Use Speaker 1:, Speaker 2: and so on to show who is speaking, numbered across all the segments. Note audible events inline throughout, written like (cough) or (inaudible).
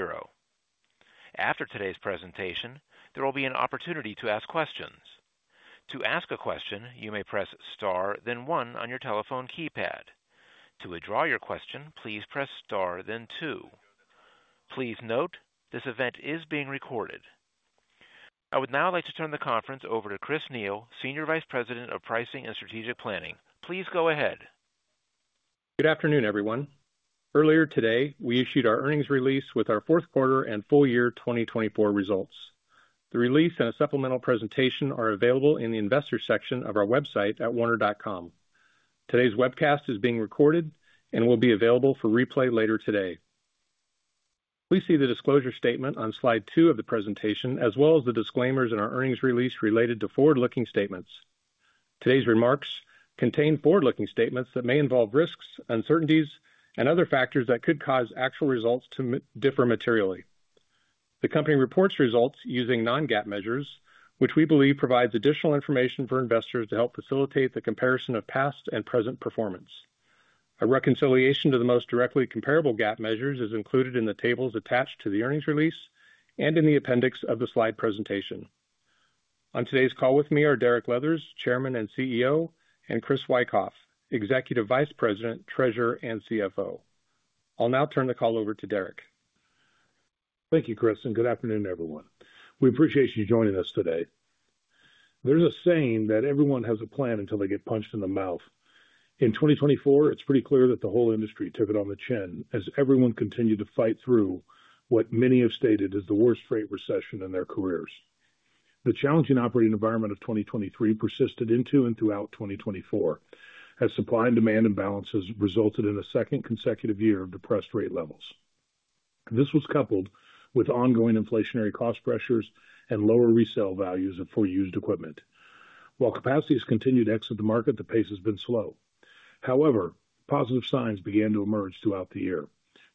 Speaker 1: (inaudible) After today's presentation, there will be an opportunity to ask questions. To ask a question, you may press star, then one on your telephone keypad. To withdraw your question, please press star, then two. Please note, this event is being recorded. I would now like to turn the conference over to Chris Neil, Senior Vice President of Pricing and Strategic Planning. Please go ahead.
Speaker 2: Good afternoon, everyone. Earlier today, we issued our earnings release with our Fourth quarter and full year 2024 results. The release and a supplemental presentation are available in the investor section of our website at werner.com. Today's webcast is being recorded and will be available for replay later today. Please see the disclosure statement on Slide 2 of the presentation, as well as the disclaimers in our earnings release related to forward-looking statements. Today's remarks contain forward-looking statements that may involve risks, uncertainties, and other factors that could cause actual results to differ materially. The company reports results using Non-GAAP measures, which we believe provides additional information for investors to help facilitate the comparison of past and present performance. A reconciliation to the most directly comparable GAAP measures is included in the tables attached to the earnings release and in the appendix of the slide presentation. On today's call with me are Derek Leathers, Chairman and CEO, and Chris Wikoff, Executive Vice President, Treasurer and CFO. I'll now turn the call over to Derek.
Speaker 3: Thank you, Chris, and good afternoon, everyone. We appreciate you joining us today. There's a saying that everyone has a plan until they get punched in the mouth. In 2024, it's pretty clear that the whole industry took it on the chin as everyone continued to fight through what many have stated is the worst freight recession in their careers. The challenging operating environment of 2023 persisted into and throughout 2024, as supply and demand imbalances resulted in a second consecutive year of depressed rate levels. This was coupled with ongoing inflationary cost pressures and lower resale values of for-hire used equipment. While capacity has continued to exit the market, the pace has been slow. However, positive signs began to emerge throughout the year,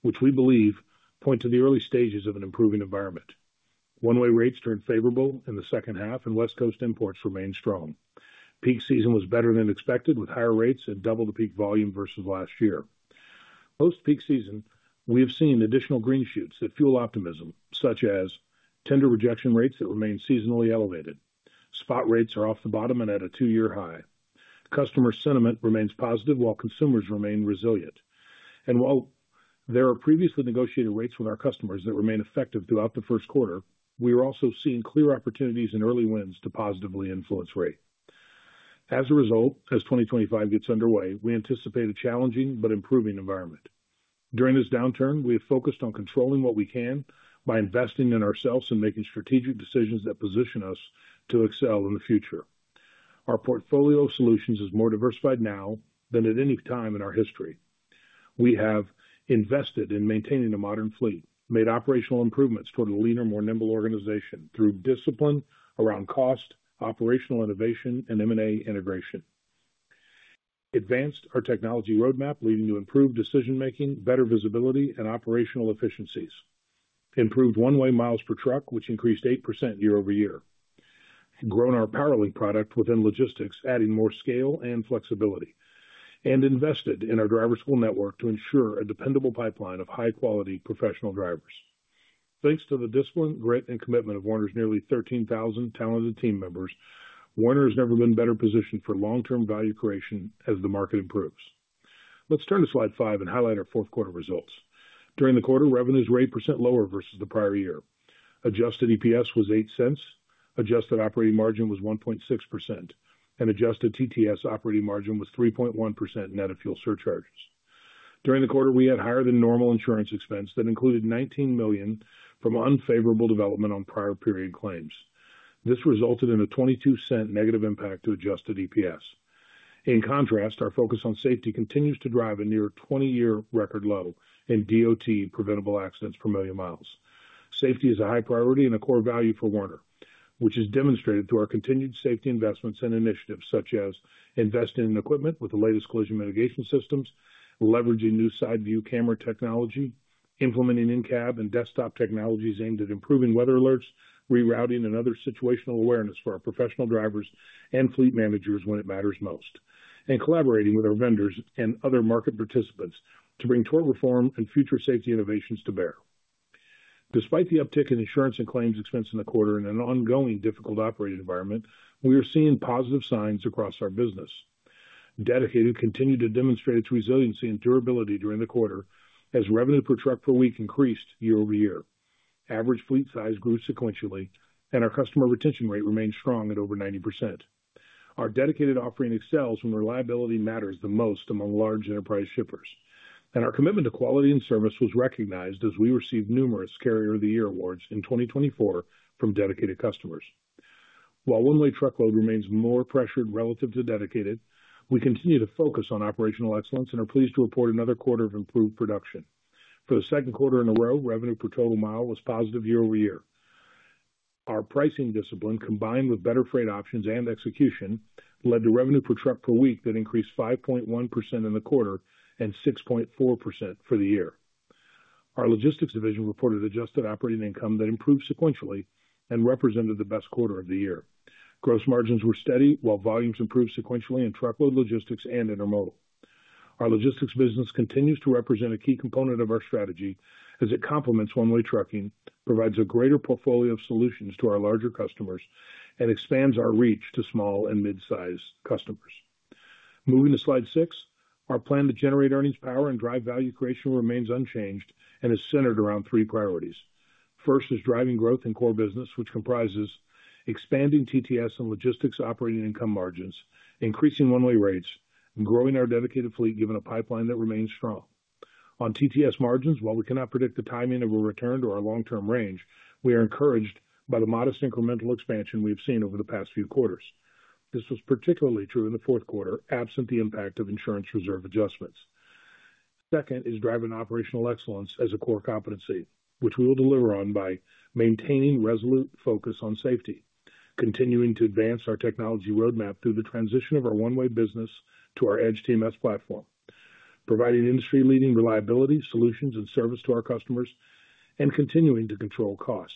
Speaker 3: which we believe point to the early stages of an improving environment. One-way rates turned favorable in the second half, and West Coast imports remained strong. Peak season was better than expected, with higher rates and double the peak volume versus last year. Post-peak season, we have seen additional green shoots that fuel optimism, such as tender rejection rates that remain seasonally elevated. Spot rates are off the bottom and at a two-year high. Customer sentiment remains positive, while consumers remain resilient, and while there are previously negotiated rates with our customers that remain effective throughout the first quarter, we are also seeing clear opportunities and early wins to positively influence rate. As a result, as 2025 gets underway, we anticipate a challenging but improving environment. During this downturn, we have focused on controlling what we can by investing in ourselves and making strategic decisions that position us to excel in the future. Our portfolio of solutions is more diversified now than at any time in our history. We have invested in maintaining a modern fleet, made operational improvements toward a leaner, more nimble organization through discipline around cost, operational innovation, and M&A integration. Advanced our technology roadmap, leading to improved decision-making, better visibility, and operational efficiencies. Improved one-way miles per truck, which increased 8% year-over-year. Grown our PowerLink product within logistics, adding more scale and flexibility, and invested in our driver school network to ensure a dependable pipeline of high-quality professional drivers. Thanks to the discipline, grit, and commitment of Werner's nearly 13,000 talented team members, Werner has never been better positioned for long-term value creation as the market improves. Let's turn to Slide 5 and highlight our fourth quarter results. During the quarter, revenues were 8% lower versus the prior year. Adjusted EPS was $0.08. Adjusted operating margin was 1.6%, and adjusted TTS operating margin was 3.1% net of fuel surcharges. During the quarter, we had higher than normal insurance expense that included $19 million from unfavorable development on prior period claims. This resulted in a $0.22 negative impact to adjusted EPS. In contrast, our focus on safety continues to drive a near 20-year record low in DOT preventable accidents per million miles. Safety is a high priority and a core value for Werner, which is demonstrated through our continued safety investments and initiatives such as investing in equipment with the latest collision mitigation systems, leveraging new side-view camera technology, implementing in-cab and desktop technologies aimed at improving weather alerts, rerouting, and other situational awareness for our professional drivers and fleet managers when it matters most, and collaborating with our vendors and other market participants to bring forward reform and future safety innovations to bear. Despite the uptick in insurance and claims expense in the quarter and an ongoing difficult operating environment, we are seeing positive signs across our business. Dedicated continued to demonstrate its resiliency and durability during the quarter as revenue per truck per week increased year-over-year. Average fleet size grew sequentially, and our customer retention rate remained strong at over 90%. Our dedicated offering excels when reliability matters the most among large enterprise shippers. And our commitment to quality and service was recognized as we received numerous Carrier of the Year awards in 2024 from dedicated customers. While one-way truckload remains more pressured relative to dedicated, we continue to focus on operational excellence and are pleased to report another quarter of improved production. For the second quarter in a row, revenue per total mile was positive year-over-year. Our pricing discipline, combined with better freight options and execution, led to revenue per truck per week that increased 5.1% in the quarter and 6.4% for the year. Our logistics division reported adjusted operating income that improved sequentially and represented the best quarter of the year. Gross margins were steady while volumes improved sequentially in truckload, logistics, and intermodal. Our logistics business continues to represent a key component of our strategy as it complements one-way trucking, provides a greater portfolio of solutions to our larger customers, and expands our reach to small and mid-sized customers. Moving to Slide 6, our plan to generate earnings power and drive value creation remains unchanged and is centered around three priorities. First is driving growth in core business, which comprises expanding TTS and logistics operating income margins, increasing one-way rates, and growing our dedicated fleet given a pipeline that remains strong. On TTS margins, while we cannot predict the timing of a return to our long-term range, we are encouraged by the modest incremental expansion we have seen over the past few quarters. This was particularly true in the fourth quarter, absent the impact of insurance reserve adjustments. Second is driving operational excellence as a core competency, which we will deliver on by maintaining resolute focus on safety, continuing to advance our technology roadmap through the transition of our one-way business to our Edge TMS platform, providing industry-leading reliability solutions and service to our customers, and continuing to control cost.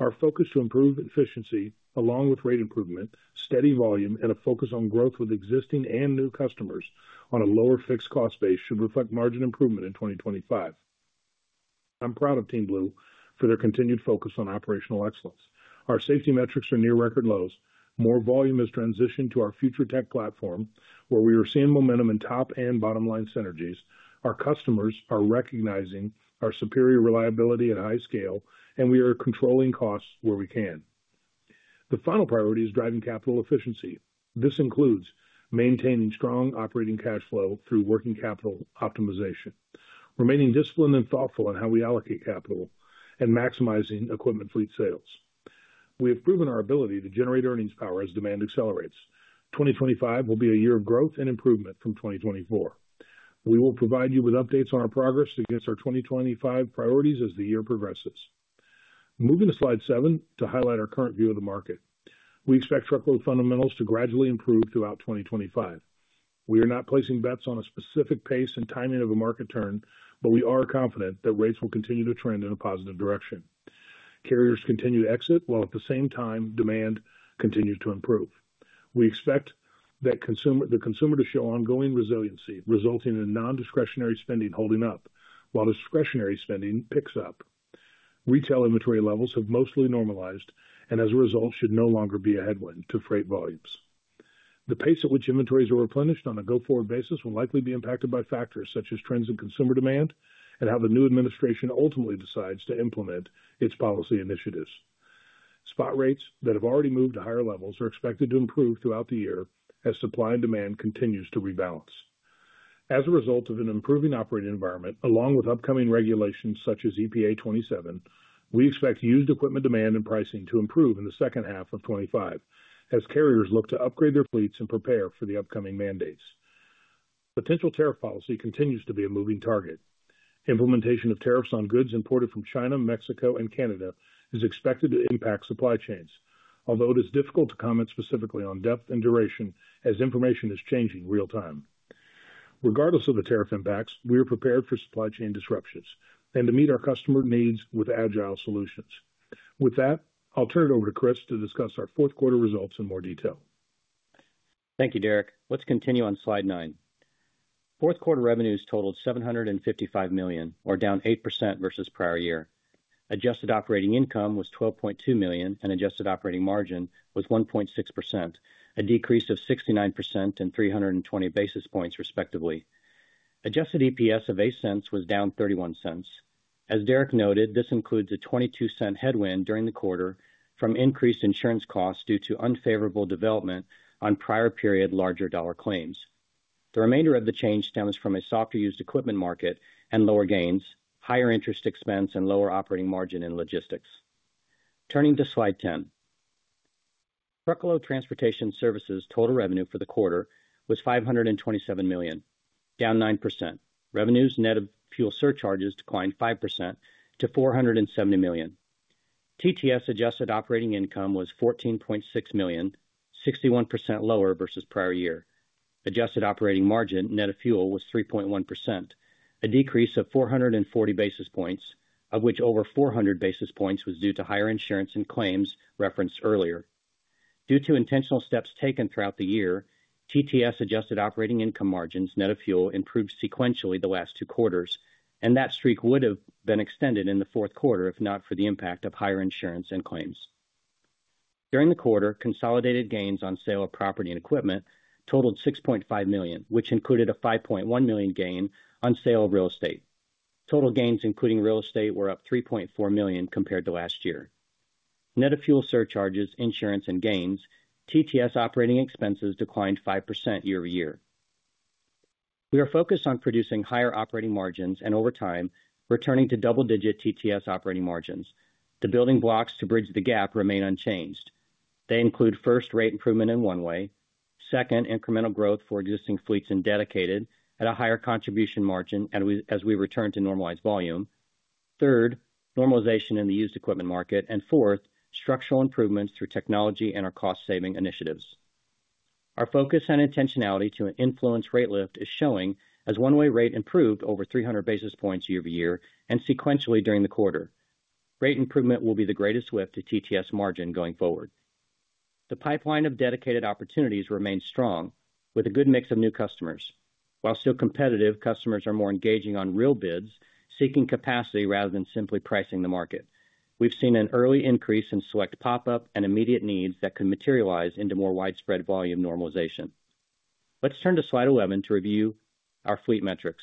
Speaker 3: Our focus to improve efficiency along with rate improvement, steady volume, and a focus on growth with existing and new customers on a lower fixed cost base should reflect margin improvement in 2025. I'm proud of Team Blue for their continued focus on operational excellence. Our safety metrics are near record lows. More volume has transitioned to our future tech platform, where we are seeing momentum in top and bottom line synergies. Our customers are recognizing our superior reliability at high scale, and we are controlling costs where we can. The final priority is driving capital efficiency. This includes maintaining strong operating cash flow through working capital optimization, remaining disciplined and thoughtful in how we allocate capital, and maximizing equipment fleet sales. We have proven our ability to generate earnings power as demand accelerates. 2025 will be a year of growth and improvement from 2024. We will provide you with updates on our progress against our 2025 priorities as the year progresses. Moving to Slide 7 to highlight our current view of the market. We expect truckload fundamentals to gradually improve throughout 2025. We are not placing bets on a specific pace and timing of a market turn, but we are confident that rates will continue to trend in a positive direction. Carriers continue to exit while at the same time demand continues to improve. We expect the consumer to show ongoing resiliency, resulting in non-discretionary spending holding up while discretionary spending picks up. Retail inventory levels have mostly normalized and as a result should no longer be a headwind to freight volumes. The pace at which inventories are replenished on a go-forward basis will likely be impacted by factors such as trends in consumer demand and how the new administration ultimately decides to implement its policy initiatives. Spot rates that have already moved to higher levels are expected to improve throughout the year as supply and demand continues to rebalance. As a result of an improving operating environment, along with upcoming regulations such as EPA 2027, we expect used equipment demand and pricing to improve in the second half of 2025 as carriers look to upgrade their fleets and prepare for the upcoming mandates. Potential tariff policy continues to be a moving target. Implementation of tariffs on goods imported from China, Mexico, and Canada is expected to impact supply chains, although it is difficult to comment specifically on depth and duration as information is changing real-time. Regardless of the tariff impacts, we are prepared for supply chain disruptions and to meet our customer needs with agile solutions. With that, I'll turn it over to Chris to discuss our fourth quarter results in more detail.
Speaker 4: Thank you, Derek. Let's continue on Slide 9. fourth quarter revenues totaled $755 million, or down 8% versus prior year. Adjusted operating income was $12.2 million and adjusted operating margin was 1.6%, a decrease of 69% and 320 basis points respectively. Adjusted EPS of $0.08 was down $0.31. As Derek noted, this includes a $0.22 headwind during the quarter from increased insurance costs due to unfavorable development on prior period larger dollar claims. The remainder of the change stems from a softer used equipment market and lower gains, higher interest expense, and lower operating margin in logistics. Turning to Slide 10, Truckload Transportation Services' total revenue for the quarter was $527 million, down 9%. Revenues net of fuel surcharges declined 5% to $470 million. TTS adjusted operating income was $14.6 million, 61% lower versus prior year. Adjusted operating margin net of fuel was 3.1%, a decrease of 440 basis points, of which over 400 basis points was due to higher insurance and claims referenced earlier. Due to intentional steps taken throughout the year, TTS adjusted operating income margins net of fuel improved sequentially the last two quarters, and that streak would have been extended in the fourth quarter if not for the impact of higher insurance and claims. During the quarter, consolidated gains on sale of property and equipment totaled $6.5 million, which included a $5.1 million gain on sale of real estate. Total gains including real estate were up $3.4 million compared to last year. Net of fuel surcharges, insurance, and gains, TTS operating expenses declined 5% year-over-year. We are focused on producing higher operating margins and over time returning to double-digit TTS operating margins. The building blocks to bridge the gap remain unchanged. They include first, rate improvement in one-way. Second, incremental growth for existing fleets and dedicated at a higher contribution margin as we return to normalized volume. Third, normalization in the used equipment market. And fourth, structural improvements through technology and our cost-saving initiatives. Our focus and intentionality to influence rate lift is showing as one-way rate improved over 300 basis points year-over-year and sequentially during the quarter. Rate improvement will be the greatest lift to TTS margin going forward. The pipeline of dedicated opportunities remains strong with a good mix of new customers. While still competitive, customers are more engaging on real bids seeking capacity rather than simply pricing the market. We've seen an early increase in select pop-up and immediate needs that can materialize into more widespread volume normalization. Let's turn to Slide 11 to review our fleet metrics.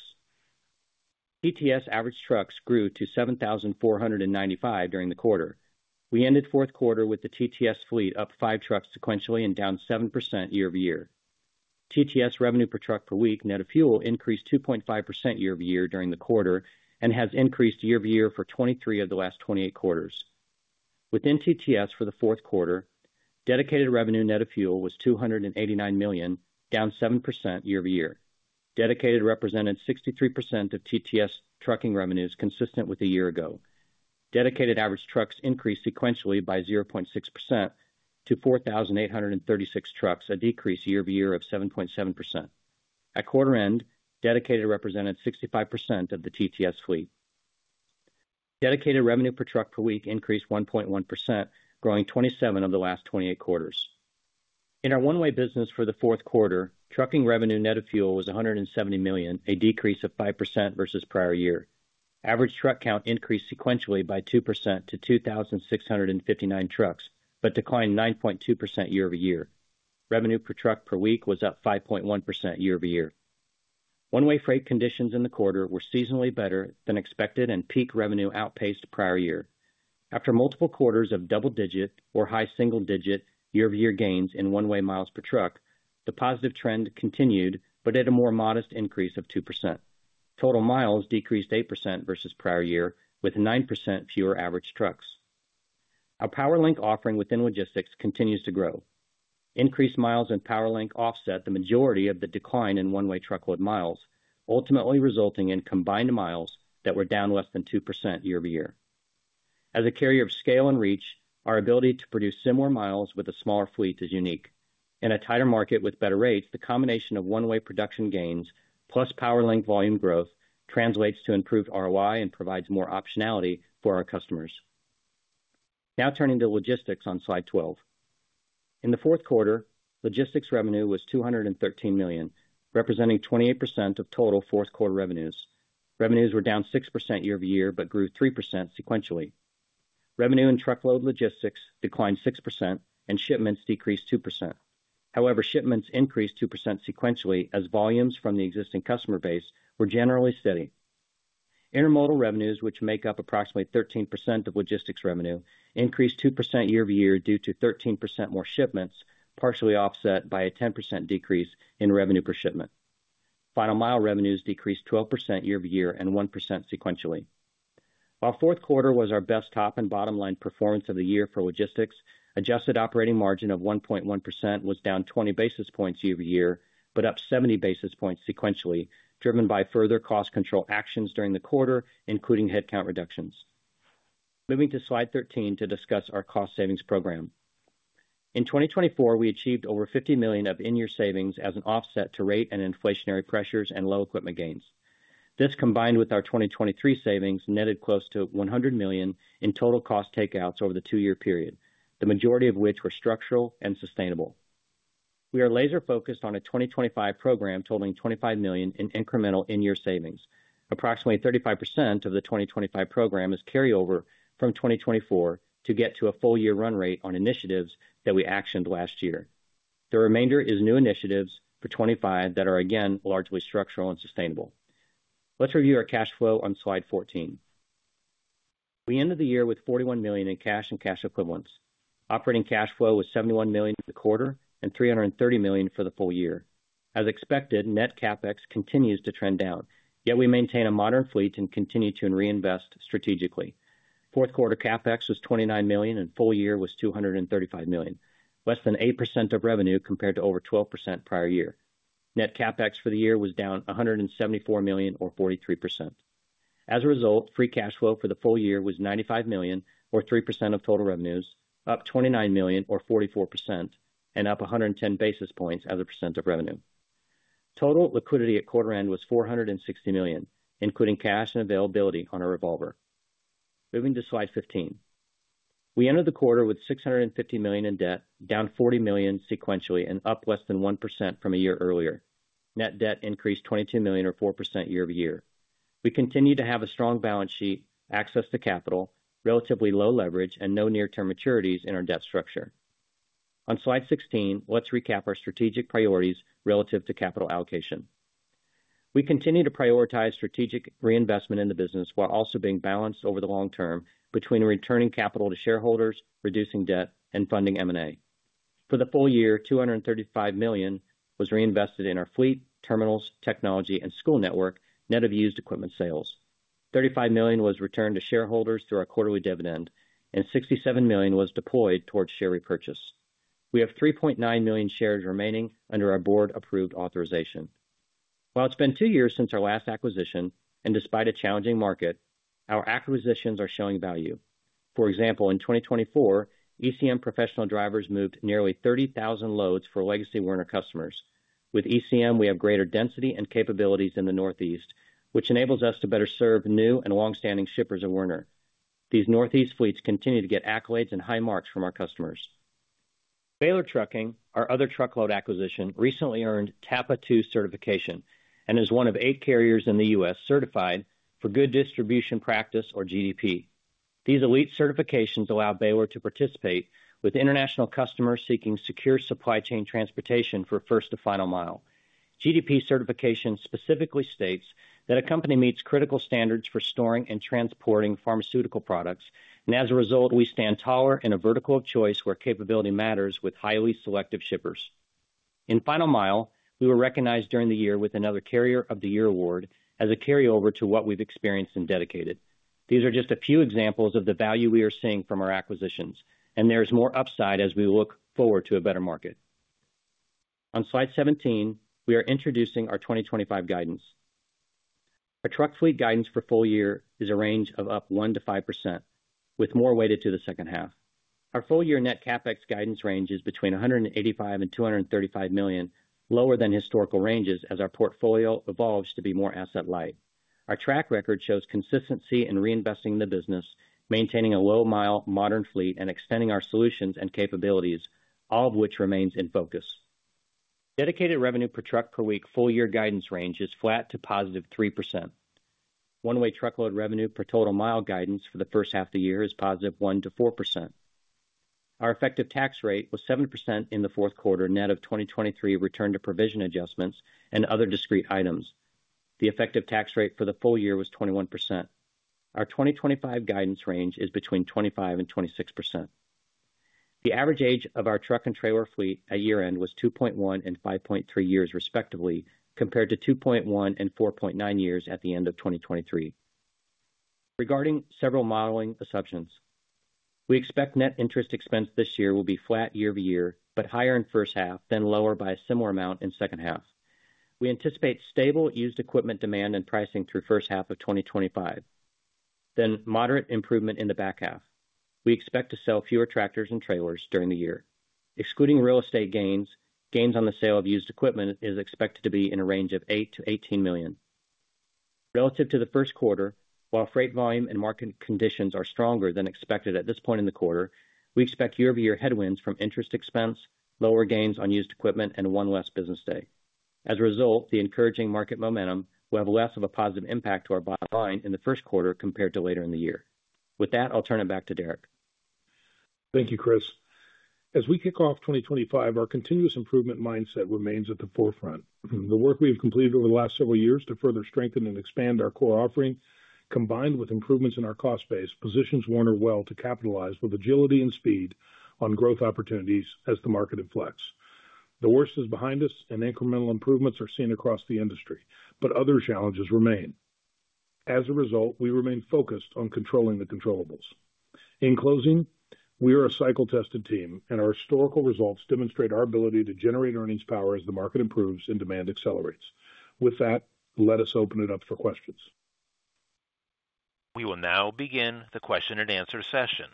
Speaker 4: TTS average trucks grew to 7,495 during the quarter. We ended fourth quarter with the TTS fleet up five trucks sequentially and down 7% year-over-year. TTS revenue per truck per week net of fuel increased 2.5% year-over-year during the quarter and has increased year-over-year for 23 of the last 28 quarters. Within TTS for the fourth quarter, dedicated revenue net of fuel was $289 million, down 7% year-over-year. Dedicated represented 63% of TTS trucking revenues consistent with a year ago. Dedicated average trucks increased sequentially by 0.6% to 4,836 trucks, a decrease year-over-year of 7.7%. At quarter end, dedicated represented 65% of the TTS fleet. Dedicated revenue per truck per week increased 1.1%, growing 27 of the last 28 quarters. In our one-way business for the fourth quarter, trucking revenue net of fuel was $170 million, a decrease of 5% versus prior year. Average truck count increased sequentially by 2% to 2,659 trucks, but declined 9.2% year-over-year. Revenue per truck per week was up 5.1% year-over-year. One-way freight conditions in the quarter were seasonally better than expected and peak revenue outpaced prior year. After multiple quarters of double-digit or high single-digit year-over-year gains in one-way miles per truck, the positive trend continued, but at a more modest increase of 2%. Total miles decreased 8% versus prior year, with 9% fewer average trucks. Our PowerLink offering within logistics continues to grow. Increased miles in PowerLink offset the majority of the decline in one-way truckload miles, ultimately resulting in combined miles that were down less than 2% year-over-year. As a carrier of scale and reach, our ability to produce similar miles with a smaller fleet is unique. In a tighter market with better rates, the combination of one-way production gains plus PowerLink volume growth translates to improved ROI and provides more optionality for our customers. Now turning to logistics on slide 12. In the fourth quarter, logistics revenue was $213 million, representing 28% of total fourth quarter revenues. Revenues were down 6% year-over-year, but grew 3% sequentially. Revenue in truckload logistics declined 6%, and shipments decreased 2%. However, shipments increased 2% sequentially as volumes from the existing customer base were generally steady. Intermodal revenues, which make up approximately 13% of logistics revenue, increased 2% year-over-year due to 13% more shipments, partially offset by a 10% decrease in revenue per shipment. Final Mile revenues decreased 12% year-over-year and 1% sequentially. Our fourth quarter was our best top and bottom line performance of the year for logistics. Adjusted operating margin of 1.1% was down 20 basis points year-over-year, but up 70 basis points sequentially, driven by further cost control actions during the quarter, including headcount reductions. Moving to slide 13 to discuss our cost savings program. In 2024, we achieved over $50 million of in-year savings as an offset to rate and inflationary pressures and low equipment gains. This combined with our 2023 savings netted close to $100 million in total cost takeouts over the two-year period, the majority of which were structural and sustainable. We are laser-focused on a 2025 program totaling $25 million in incremental in-year savings. Approximately 35% of the 2025 program is carryover from 2024 to get to a full-year run rate on initiatives that we actioned last year. The remainder is new initiatives for 2025 that are again largely structural and sustainable. Let's review our cash flow on Slide 14. We ended the year with $41 million in cash and cash equivalents. Operating cash flow was $71 million for the quarter and $330 million for the full year. As expected, Net CapEx continues to trend down, yet we maintain a modern fleet and continue to reinvest strategically. fourth quarter CapEx was $29 million and full year was $235 million, less than 8% of revenue compared to over 12% prior year. Net CapEx for the year was down $174 million, or 43%. As a result, Free Cash Flow for the full year was $95 million, or 3% of total revenues, up $29 million, or 44%, and up 110 basis points as a percent of revenue. Total liquidity at quarter end was $460 million, including cash and availability on a revolver. Moving to slide 15. We ended the quarter with $650 million in debt, down $40 million sequentially and up less than 1% from a year earlier. Net debt increased $22 million, or 4% year-over-year. We continue to have a strong balance sheet, access to capital, relatively low leverage, and no near-term maturities in our debt structure. On Slide 16, let's recap our strategic priorities relative to capital allocation. We continue to prioritize strategic reinvestment in the business while also being balanced over the long term between returning capital to shareholders, reducing debt, and funding M&A. For the full year, $235 million was reinvested in our fleet, terminals, technology, and school network net of used equipment sales. $35 million was returned to shareholders through our quarterly dividend, and $67 million was deployed towards share repurchase. We have $3.9 million shares remaining under our Board-approved authorization. While it's been two years since our last acquisition and despite a challenging market, our acquisitions are showing value. For example, in 2024, ECM professional drivers moved nearly 30,000 loads for legacy Werner customers. With ECM, we have greater density and capabilities in the Northeast, which enables us to better serve new and long-standing shippers of Werner. These Northeast fleets continue to get accolades and high marks from our customers. Baylor Trucking, our other truckload acquisition, recently earned TAPA 2 certification and is one of eight carriers in the U.S. certified for Good Distribution Practice, or GDP. These elite certifications allow Baylor to participate with international customers seeking secure supply chain transportation for first to Final Mile. GDP certification specifically states that a company meets critical standards for storing and transporting pharmaceutical products, and as a result, we stand taller in a vertical of choice where capability matters with highly selective shippers. In Final Mile, we were recognized during the year with another Carrier of the Year award as a carryover to what we've experienced in dedicated. These are just a few examples of the value we are seeing from our acquisitions, and there is more upside as we look forward to a better market. On slide 17, we are introducing our 2025 guidance. Our truck fleet guidance for full year is a range of up 1% to 5%, with more weighted to the second half. Our full year Net CapEx guidance range is between $185 million and $235 million, lower than historical ranges as our portfolio evolves to be more asset light. Our track record shows consistency in reinvesting in the business, maintaining a low-mile modern fleet, and extending our solutions and capabilities, all of which remains in focus. Dedicated revenue per truck per week full year guidance range is flat to positive 3%. One-way truckload revenue per total mile guidance for the first half of the year is positive 1% to 4%. Our effective tax rate was 7% in the fourth quarter net of 2023 return to provision adjustments and other discrete items. The effective tax rate for the full year was 21%. Our 2025 guidance range is between 25% and 26%. The average age of our truck and trailer fleet at year end was 2.1 and 5.3 years, respectively, compared to 2.1 and 4.9 years at the end of 2023. Regarding several modeling assumptions, we expect net interest expense this year will be flat year-over-year, but higher in first half, then lower by a similar amount in second half. We anticipate stable used equipment demand and pricing through first half of 2025, then moderate improvement in the back half. We expect to sell fewer tractors and trailers during the year. Excluding real estate gains, gains on the sale of used equipment is expected to be in a range of $8 to 18 million. Relative to the first quarter, while freight volume and market conditions are stronger than expected at this point in the quarter, we expect year-over-year headwinds from interest expense, lower gains on used equipment, and one less business day. As a result, the encouraging market momentum will have less of a positive impact to our bottom line in the first quarter compared to later in the year. With that, I'll turn it back to Derek.
Speaker 3: Thank you, Chris. As we kick off 2025, our continuous improvement mindset remains at the forefront. The work we have completed over the last several years to further strengthen and expand our core offering, combined with improvements in our cost base, positions Werner well to capitalize with agility and speed on growth opportunities as the market inflects. The worst is behind us, and incremental improvements are seen across the industry, but other challenges remain. As a result, we remain focused on controlling the controllables. In closing, we are a cycle-tested team, and our historical results demonstrate our ability to generate earnings power as the market improves and demand accelerates. With that, let us open it up for questions.
Speaker 1: We will now begin the question-and-answer session.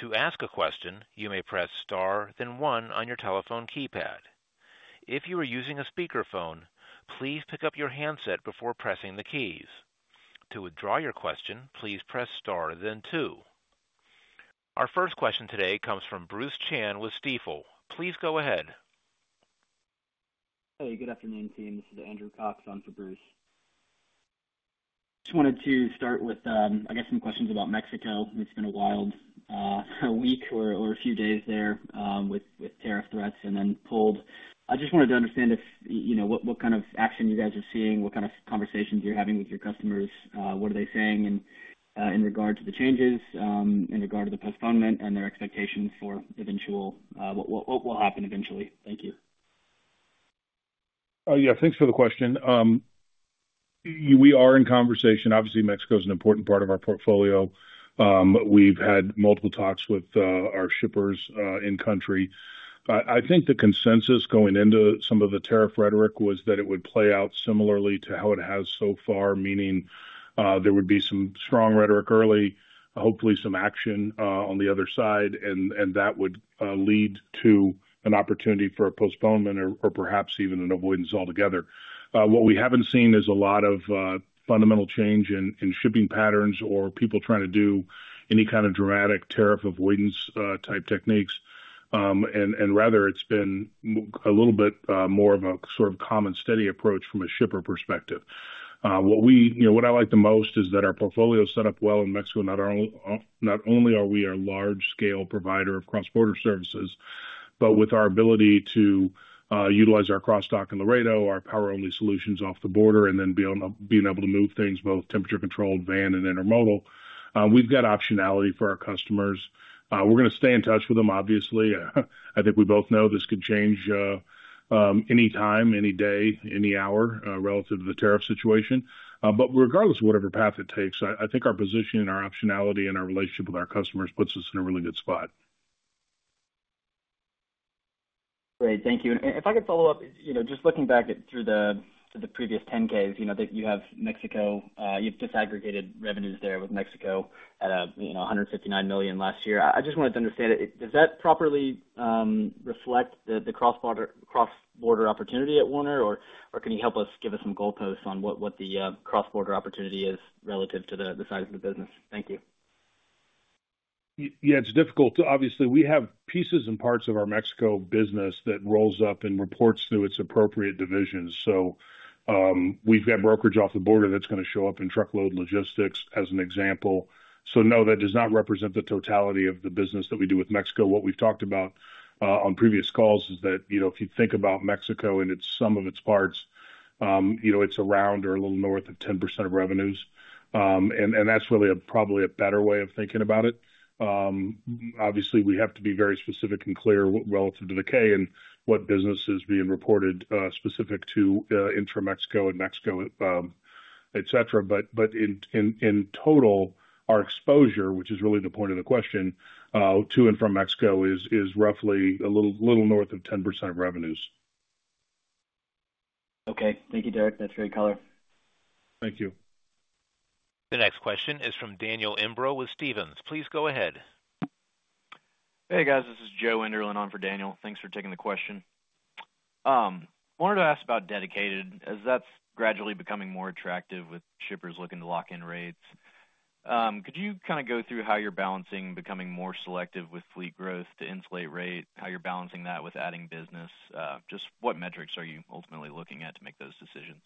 Speaker 1: To ask a question, you may press star, then one on your telephone keypad. If you are using a speakerphone, please pick up your handset before pressing the keys. To withdraw your question, please press star, then two. Our first question today comes from Bruce Chan with Stifel. Please go ahead.
Speaker 5: Hey, good afternoon, team. This is Andrew Cox on for Bruce. Just wanted to start with, I guess, some questions about Mexico. It's been a wild week or a few days there with tariff threats and then pulled. I just wanted to understand if you know what kind of action you guys are seeing, what kind of conversations you're having with your customers, what are they saying in regard to the changes, in regard to the postponement, and their expectations for eventual what will happen eventually? Thank you.
Speaker 3: Yeah, thanks for the question. We are in conversation. Obviously, Mexico is an important part of our portfolio. We've had multiple talks with our shippers in-country. I think the consensus going into some of the tariff rhetoric was that it would play out similarly to how it has so far, meaning there would be some strong rhetoric early, hopefully some action on the other side, and that would lead to an opportunity for a postponement or perhaps even an avoidance altogether. What we haven't seen is a lot of fundamental change in shipping patterns or people trying to do any kind of dramatic tariff avoidance type techniques, and rather, it's been a little bit more of a sort of common steady approach from a shipper perspective. What I like the most is that our portfolio is set up well in Mexico. Not only are we a large-scale provider of cross-border services, but with our ability to utilize our cross-dock in Laredo, our power-only solutions off the border, and then being able to move things both temperature-controlled, van, and intermodal, we've got optionality for our customers. We're going to stay in touch with them, obviously. I think we both know this could change any time, any day, any hour relative to the tariff situation. But regardless of whatever path it takes, I think our position and our optionality and our relationship with our customers puts us in a really good spot.
Speaker 5: Great. Thank you. And if I could follow up, just looking back through the previous 10-Ks, you have Mexico. You've disaggregated revenues there with Mexico at $159 million last year. I just wanted to understand, does that properly reflect the cross-border opportunity at Werner, or can you help us give us some goalposts on what the cross-border opportunity is relative to the size of the business? Thank you.
Speaker 3: Yeah, it's difficult. Obviously, we have pieces and parts of our Mexico business that rolls up and reports through its appropriate divisions. So we've got brokerage off the border that's going to show up in truckload logistics as an example. So no, that does not represent the totality of the business that we do with Mexico. What we've talked about on previous calls is that if you think about Mexico and its sum of its parts, it's around or a little north of 10% of revenues. And that's really probably a better way of thinking about it. Obviously, we have to be very specific and clear relative to the K and what business is being reported specific to inter-Mexico and Mexico, et cetera. But in total, our exposure, which is really the point of the question, to and from Mexico is roughly a little north of 10% of revenues.
Speaker 5: Okay. Thank you, Derek. That's great color.
Speaker 3: Thank you.
Speaker 1: The next question is from Daniel Imbro with Stephens. Please go ahead.
Speaker 6: Hey, guys. This is Joe Enderlin on for Daniel. Thanks for taking the question. I wanted to ask about dedicated as that's gradually becoming more attractive with shippers looking to lock in rates. Could you kind of go through how you're balancing becoming more selective with fleet growth to insulate rate, how you're balancing that with adding business? Just what metrics are you ultimately looking at to make those decisions?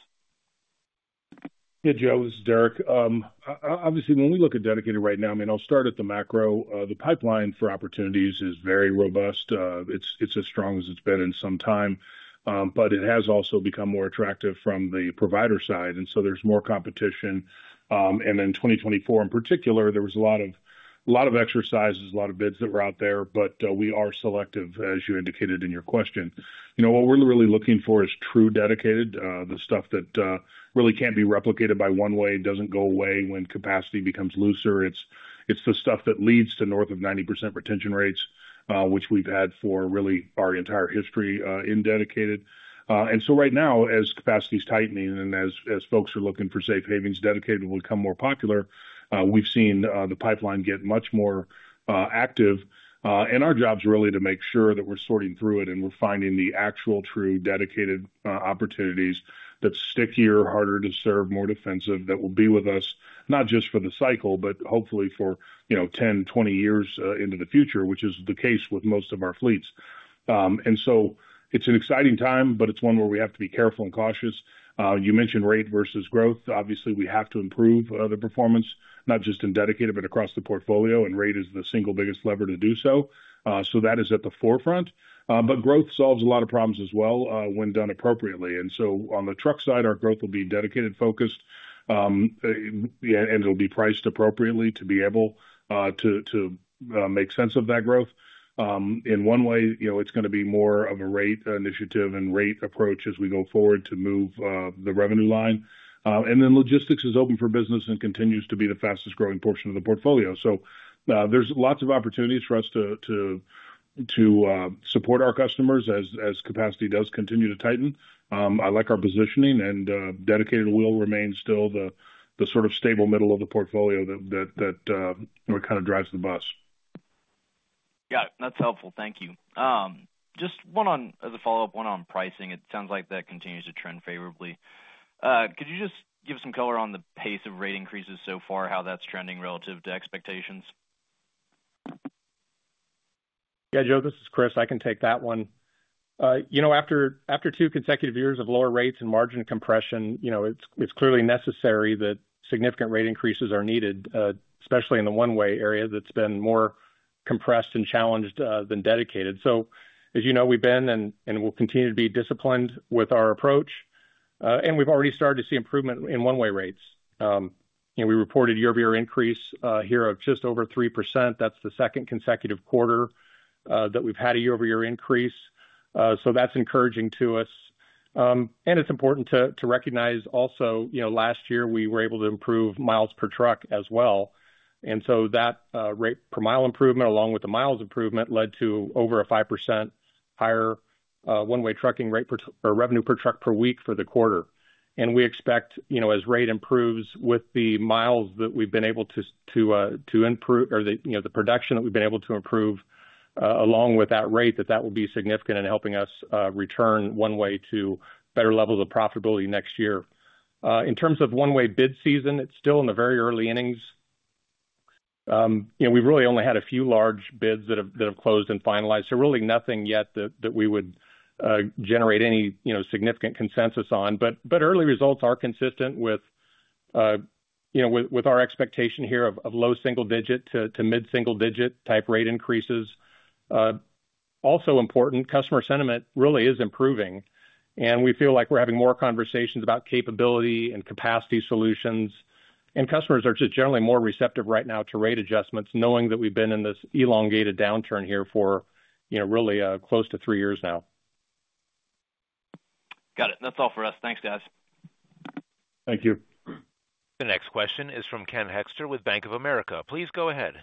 Speaker 3: Yeah, Joe, this is Derek. Obviously, when we look at dedicated right now, I mean, I'll start at the macro. The pipeline for opportunities is very robust. It's as strong as it's been in some time, but it has also become more attractive from the provider side. And so there's more competition. And in 2024, in particular, there was a lot of exercises, a lot of bids that were out there, but we are selective, as you indicated in your question. What we're really looking for is true dedicated, the stuff that really can't be replicated by one-way, doesn't go away when capacity becomes looser. It's the stuff that leads to north of 90% retention rates, which we've had for really our entire history in dedicated. And so right now, as capacity is tightening and as folks are looking for safe havens, dedicated will become more popular. We've seen the pipeline get much more active. And our job's really to make sure that we're sorting through it and we're finding the actual true dedicated opportunities that stickier, harder to serve, more defensive, that will be with us, not just for the cycle, but hopefully for 10, 20 years into the future, which is the case with most of our fleets. And so it's an exciting time, but it's one where we have to be careful and cautious. You mentioned rate versus growth. Obviously, we have to improve the performance, not just in dedicated, but across the portfolio, and rate is the single biggest lever to do so. So that is at the forefront. But growth solves a lot of problems as well when done appropriately. And so on the truck side, our growth will be dedicated, focused, and it'll be priced appropriately to be able to make sense of that growth. In one-way, it's going to be more of a rate initiative and rate approach as we go forward to move the revenue line. And then logistics is open for business and continues to be the fastest growing portion of the portfolio. So there's lots of opportunities for us to support our customers as capacity does continue to tighten. I like our positioning, and dedicated will remain still the sort of stable middle of the portfolio that kind of drives the bus.
Speaker 6: Yeah, that's helpful. Thank you. Just one on the follow-up, one on pricing. It sounds like that continues to trend favorably. Could you just give some color on the pace of rate increases so far, how that's trending relative to expectations?
Speaker 4: Yeah, Joe, this is Chris. I can take that one. After two consecutive years of lower rates and margin compression, it's clearly necessary that significant rate increases are needed, especially in the one-way area that's been more compressed and challenged than dedicated. So as you know, we've been and will continue to be disciplined with our approach. And we've already started to see improvement in one-way rates. We reported year-over-year increase here of just over 3%. That's the second consecutive quarter that we've had a year-over-year increase. So that's encouraging to us. And it's important to recognize also last year we were able to improve miles per truck as well. And so that rate per mile improvement, along with the miles improvement, led to over a 5% higher one-way trucking rate or revenue per truck per week for the quarter. And we expect as rate improves with the miles that we've been able to improve or the production that we've been able to improve along with that rate, that that will be significant in helping us return one-way to better levels of profitability next year. In terms of one-way bid season, it's still in the very early innings. We've really only had a few large bids that have closed and finalized. So really nothing yet that we would generate any significant consensus on. But early results are consistent with our expectation here of low single-digit to mid-single-digit type rate increases. Also important, customer sentiment really is improving. And we feel like we're having more conversations about capability and capacity solutions. And customers are just generally more receptive right now to rate adjustments, knowing that we've been in this elongated downturn here for really close to three years now.
Speaker 6: Got it. That's all for us. Thanks, guys.
Speaker 4: Thank you.
Speaker 1: The next question is from Ken Hoexter with Bank of America. Please go ahead.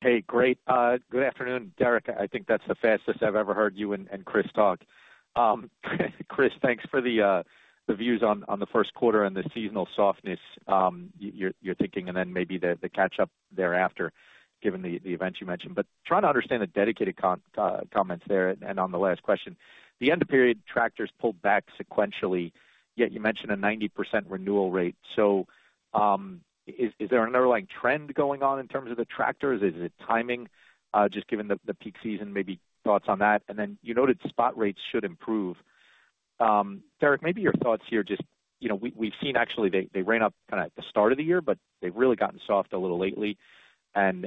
Speaker 7: Hey, great. Good afternoon, Derek. I think that's the fastest I've ever heard you and Chris talk. Chris, thanks for the views on the first quarter and the seasonal softness you're thinking, and then maybe the catch-up thereafter, given the events you mentioned. But trying to understand the dedicated comments there and on the last question. The end-of-period tractors pulled back sequentially, yet you mentioned a 90% renewal rate. So is there an underlying trend going on in terms of the tractors? Is it timing? Just given the peak season, maybe thoughts on that. And then you noted spot rates should improve. Derek, maybe your thoughts here just we've seen actually they ran up kind of at the start of the year, but they've really gotten soft a little lately. And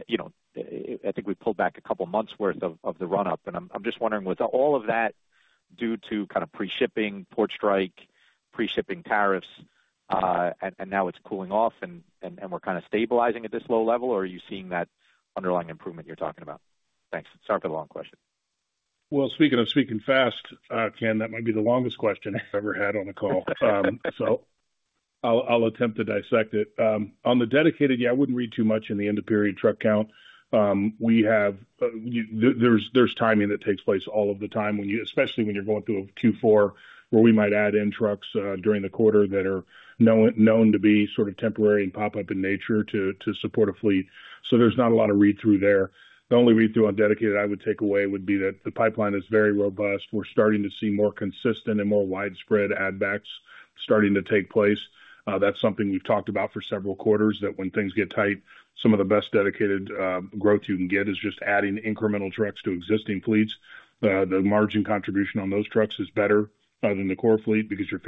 Speaker 7: I think we pulled back a couple of months' worth of the run-up. And I'm just wondering, was all of that due to kind of pre-shipping, port strike, pre-shipping tariffs, and now it's cooling off and we're kind of stabilizing at this low level, or are you seeing that underlying improvement you're talking about? Thanks. Sorry for the long question.
Speaker 3: Well, speaking of speaking fast, Ken, that might be the longest question I've ever had on a call. So I'll attempt to dissect it. On the dedicated, yeah, I wouldn't read too much in the end-of-period truck count. There's timing that takes place all of the time, especially when you're going through a Q4 where we might add in trucks during the quarter that are known to be sort of temporary and pop-up in nature to support a fleet. So there's not a lot of read-through there. The only read-through on dedicated I would take away would be that the pipeline is very robust. We're starting to see more consistent and more widespread add-backs starting to take place. That's something we've talked about for several quarters, that when things get tight, some of the best dedicated growth you can get is just adding incremental trucks to existing fleets. The margin contribution on those trucks is better than the core fleet because your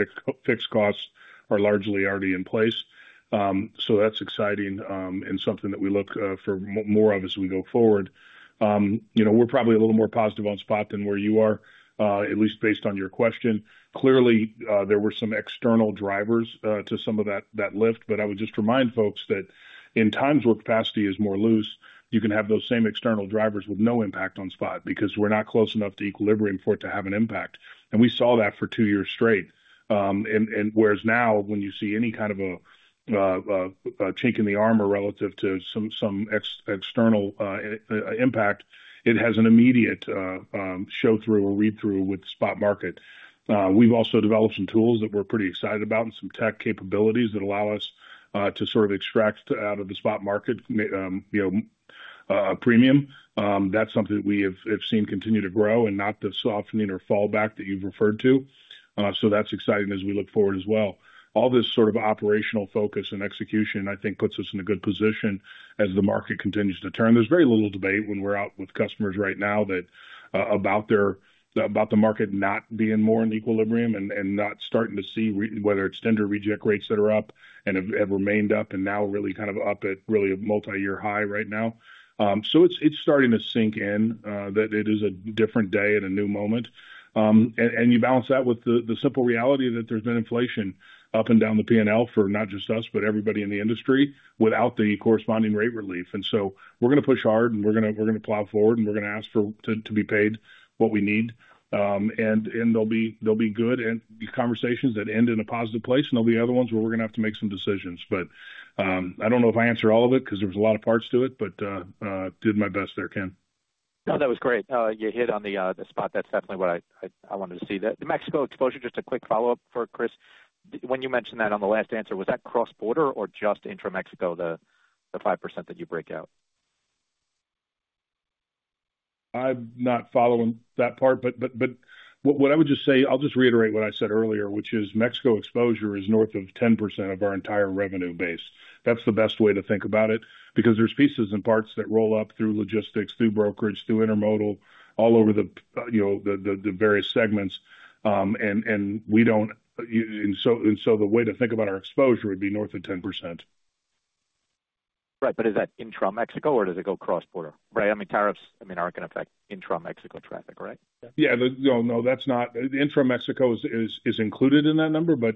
Speaker 3: fixed costs are largely already in place. So that's exciting and something that we look for more of as we go forward. We're probably a little more positive on spot than where you are, at least based on your question. Clearly, there were some external drivers to some of that lift, but I would just remind folks that in times where capacity is more loose, you can have those same external drivers with no impact on spot because we're not close enough to equilibrium for it to have an impact. And we saw that for two years straight. Whereas now, when you see any kind of a chink in the armor relative to some external impact, it has an immediate show-through or read-through with spot market. We've also developed some tools that we're pretty excited about and some tech capabilities that allow us to sort of extract out of the spot market premium. That's something that we have seen continue to grow and not the softening or fallback that you've referred to. So that's exciting as we look forward as well. All this sort of operational focus and execution, I think, puts us in a good position as the market continues to turn. There's very little debate when we're out with customers right now about the market not being more in equilibrium and not starting to see whether it's tender reject rates that are up and have remained up and now really kind of up at really a multi-year high right now. So it's starting to sink in that it is a different day at a new moment. You balance that with the simple reality that there's been inflation up and down the P&L for not just us, but everybody in the industry without the corresponding rate relief. And so we're going to push hard and we're going to plow forward and we're going to ask to be paid what we need. And they'll be good and conversations that end in a positive place. And there'll be other ones where we're going to have to make some decisions. But I don't know if I answered all of it because there's a lot of parts to it, but did my best there, Ken.
Speaker 7: No, that was great. You hit on the spot. That's definitely what I wanted to see. The Mexico exposure, just a quick follow-up for Chris. When you mentioned that on the last answer, was that cross-border or just inter-Mexico, the 5% that you break out?
Speaker 4: I'm not following that part, but what I would just say, I'll just reiterate what I said earlier, which is Mexico exposure is north of 10% of our entire revenue base. That's the best way to think about it because there's pieces and parts that roll up through logistics, through brokerage, through intermodal, all over the various segments. And so the way to think about our exposure would be north of 10%.
Speaker 7: Right. But is that intra-Mexico or does it go cross-border? Right. I mean, tariffs, I mean, aren't going to affect intra-Mexico traffic, right?
Speaker 4: Yeah. No, no, that's not. Intra-Mexico is included in that number, but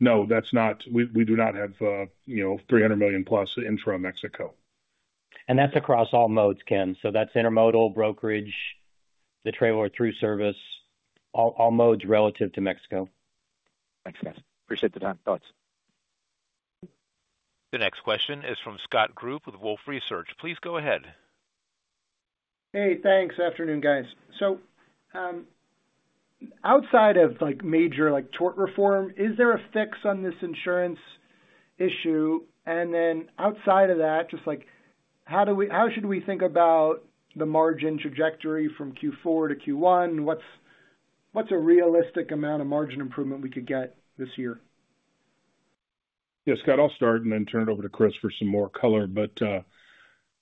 Speaker 4: no, that's not. We do not have 300 million plus intra-Mexico.
Speaker 3: And that's across all modes, Ken. So that's intermodal, brokerage, the trailer-through service, all modes relative to Mexico.
Speaker 7: Thanks, guys. Appreciate the time. Thoughts.
Speaker 1: The next question is from Scott Group with Wolfe Research. Please go ahead.
Speaker 8: Hey, thanks. Afternoon, guys. So outside of major tort reform, is there a fix on this insurance issue? And then outside of that, just how should we think about the margin trajectory from Q4 to Q1? What's a realistic amount of margin improvement we could get this year?
Speaker 3: Yeah, Scott, I'll start and then turn it over to Chris for some more color. But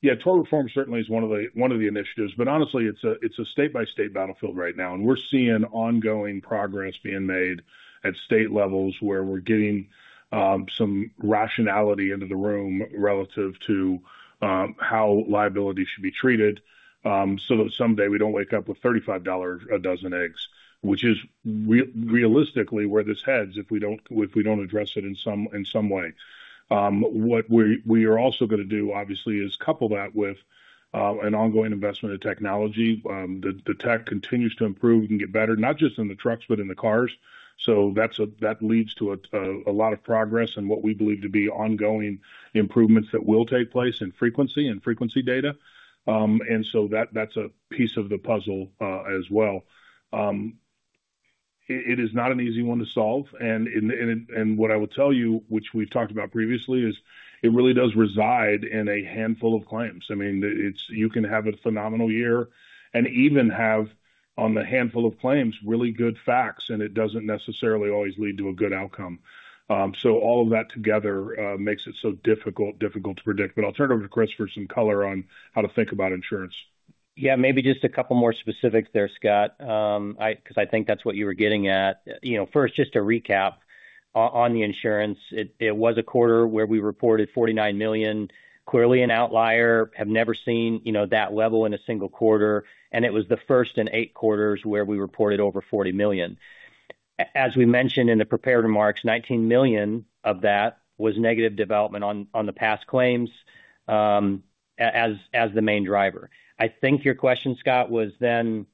Speaker 3: yeah, tort reform certainly is one of the initiatives. But honestly, it's a state-by-state battlefield right now. And we're seeing ongoing progress being made at state levels where we're getting some rationality into the room relative to how liability should be treated so that someday we don't wake up with $35 a dozen eggs, which is realistically where this heads if we don't address it in some way. What we are also going to do, obviously, is couple that with an ongoing investment in technology. The tech continues to improve and get better, not just in the trucks, but in the cars. So that leads to a lot of progress and what we believe to be ongoing improvements that will take place in frequency and frequency data. And so that's a piece of the puzzle as well. It is not an easy one to solve. And what I will tell you, which we've talked about previously, is it really does reside in a handful of claims. I mean, you can have a phenomenal year and even have on the handful of claims really good facts, and it doesn't necessarily always lead to a good outcome. So all of that together makes it so difficult to predict. But I'll turn it over to Chris for some color on how to think about insurance.
Speaker 4: Yeah, maybe just a couple more specifics there, Scott, because I think that's what you were getting at. First, just to recap on the insurance, it was a quarter where we reported $49 million. Clearly, an outlier we have never seen that level in a single quarter. And it was the first in eight quarters where we reported over $40 million. As we mentioned in the prepared remarks, $19 million of that was negative development on the past claims as the main driver. I think your question, Scott, was then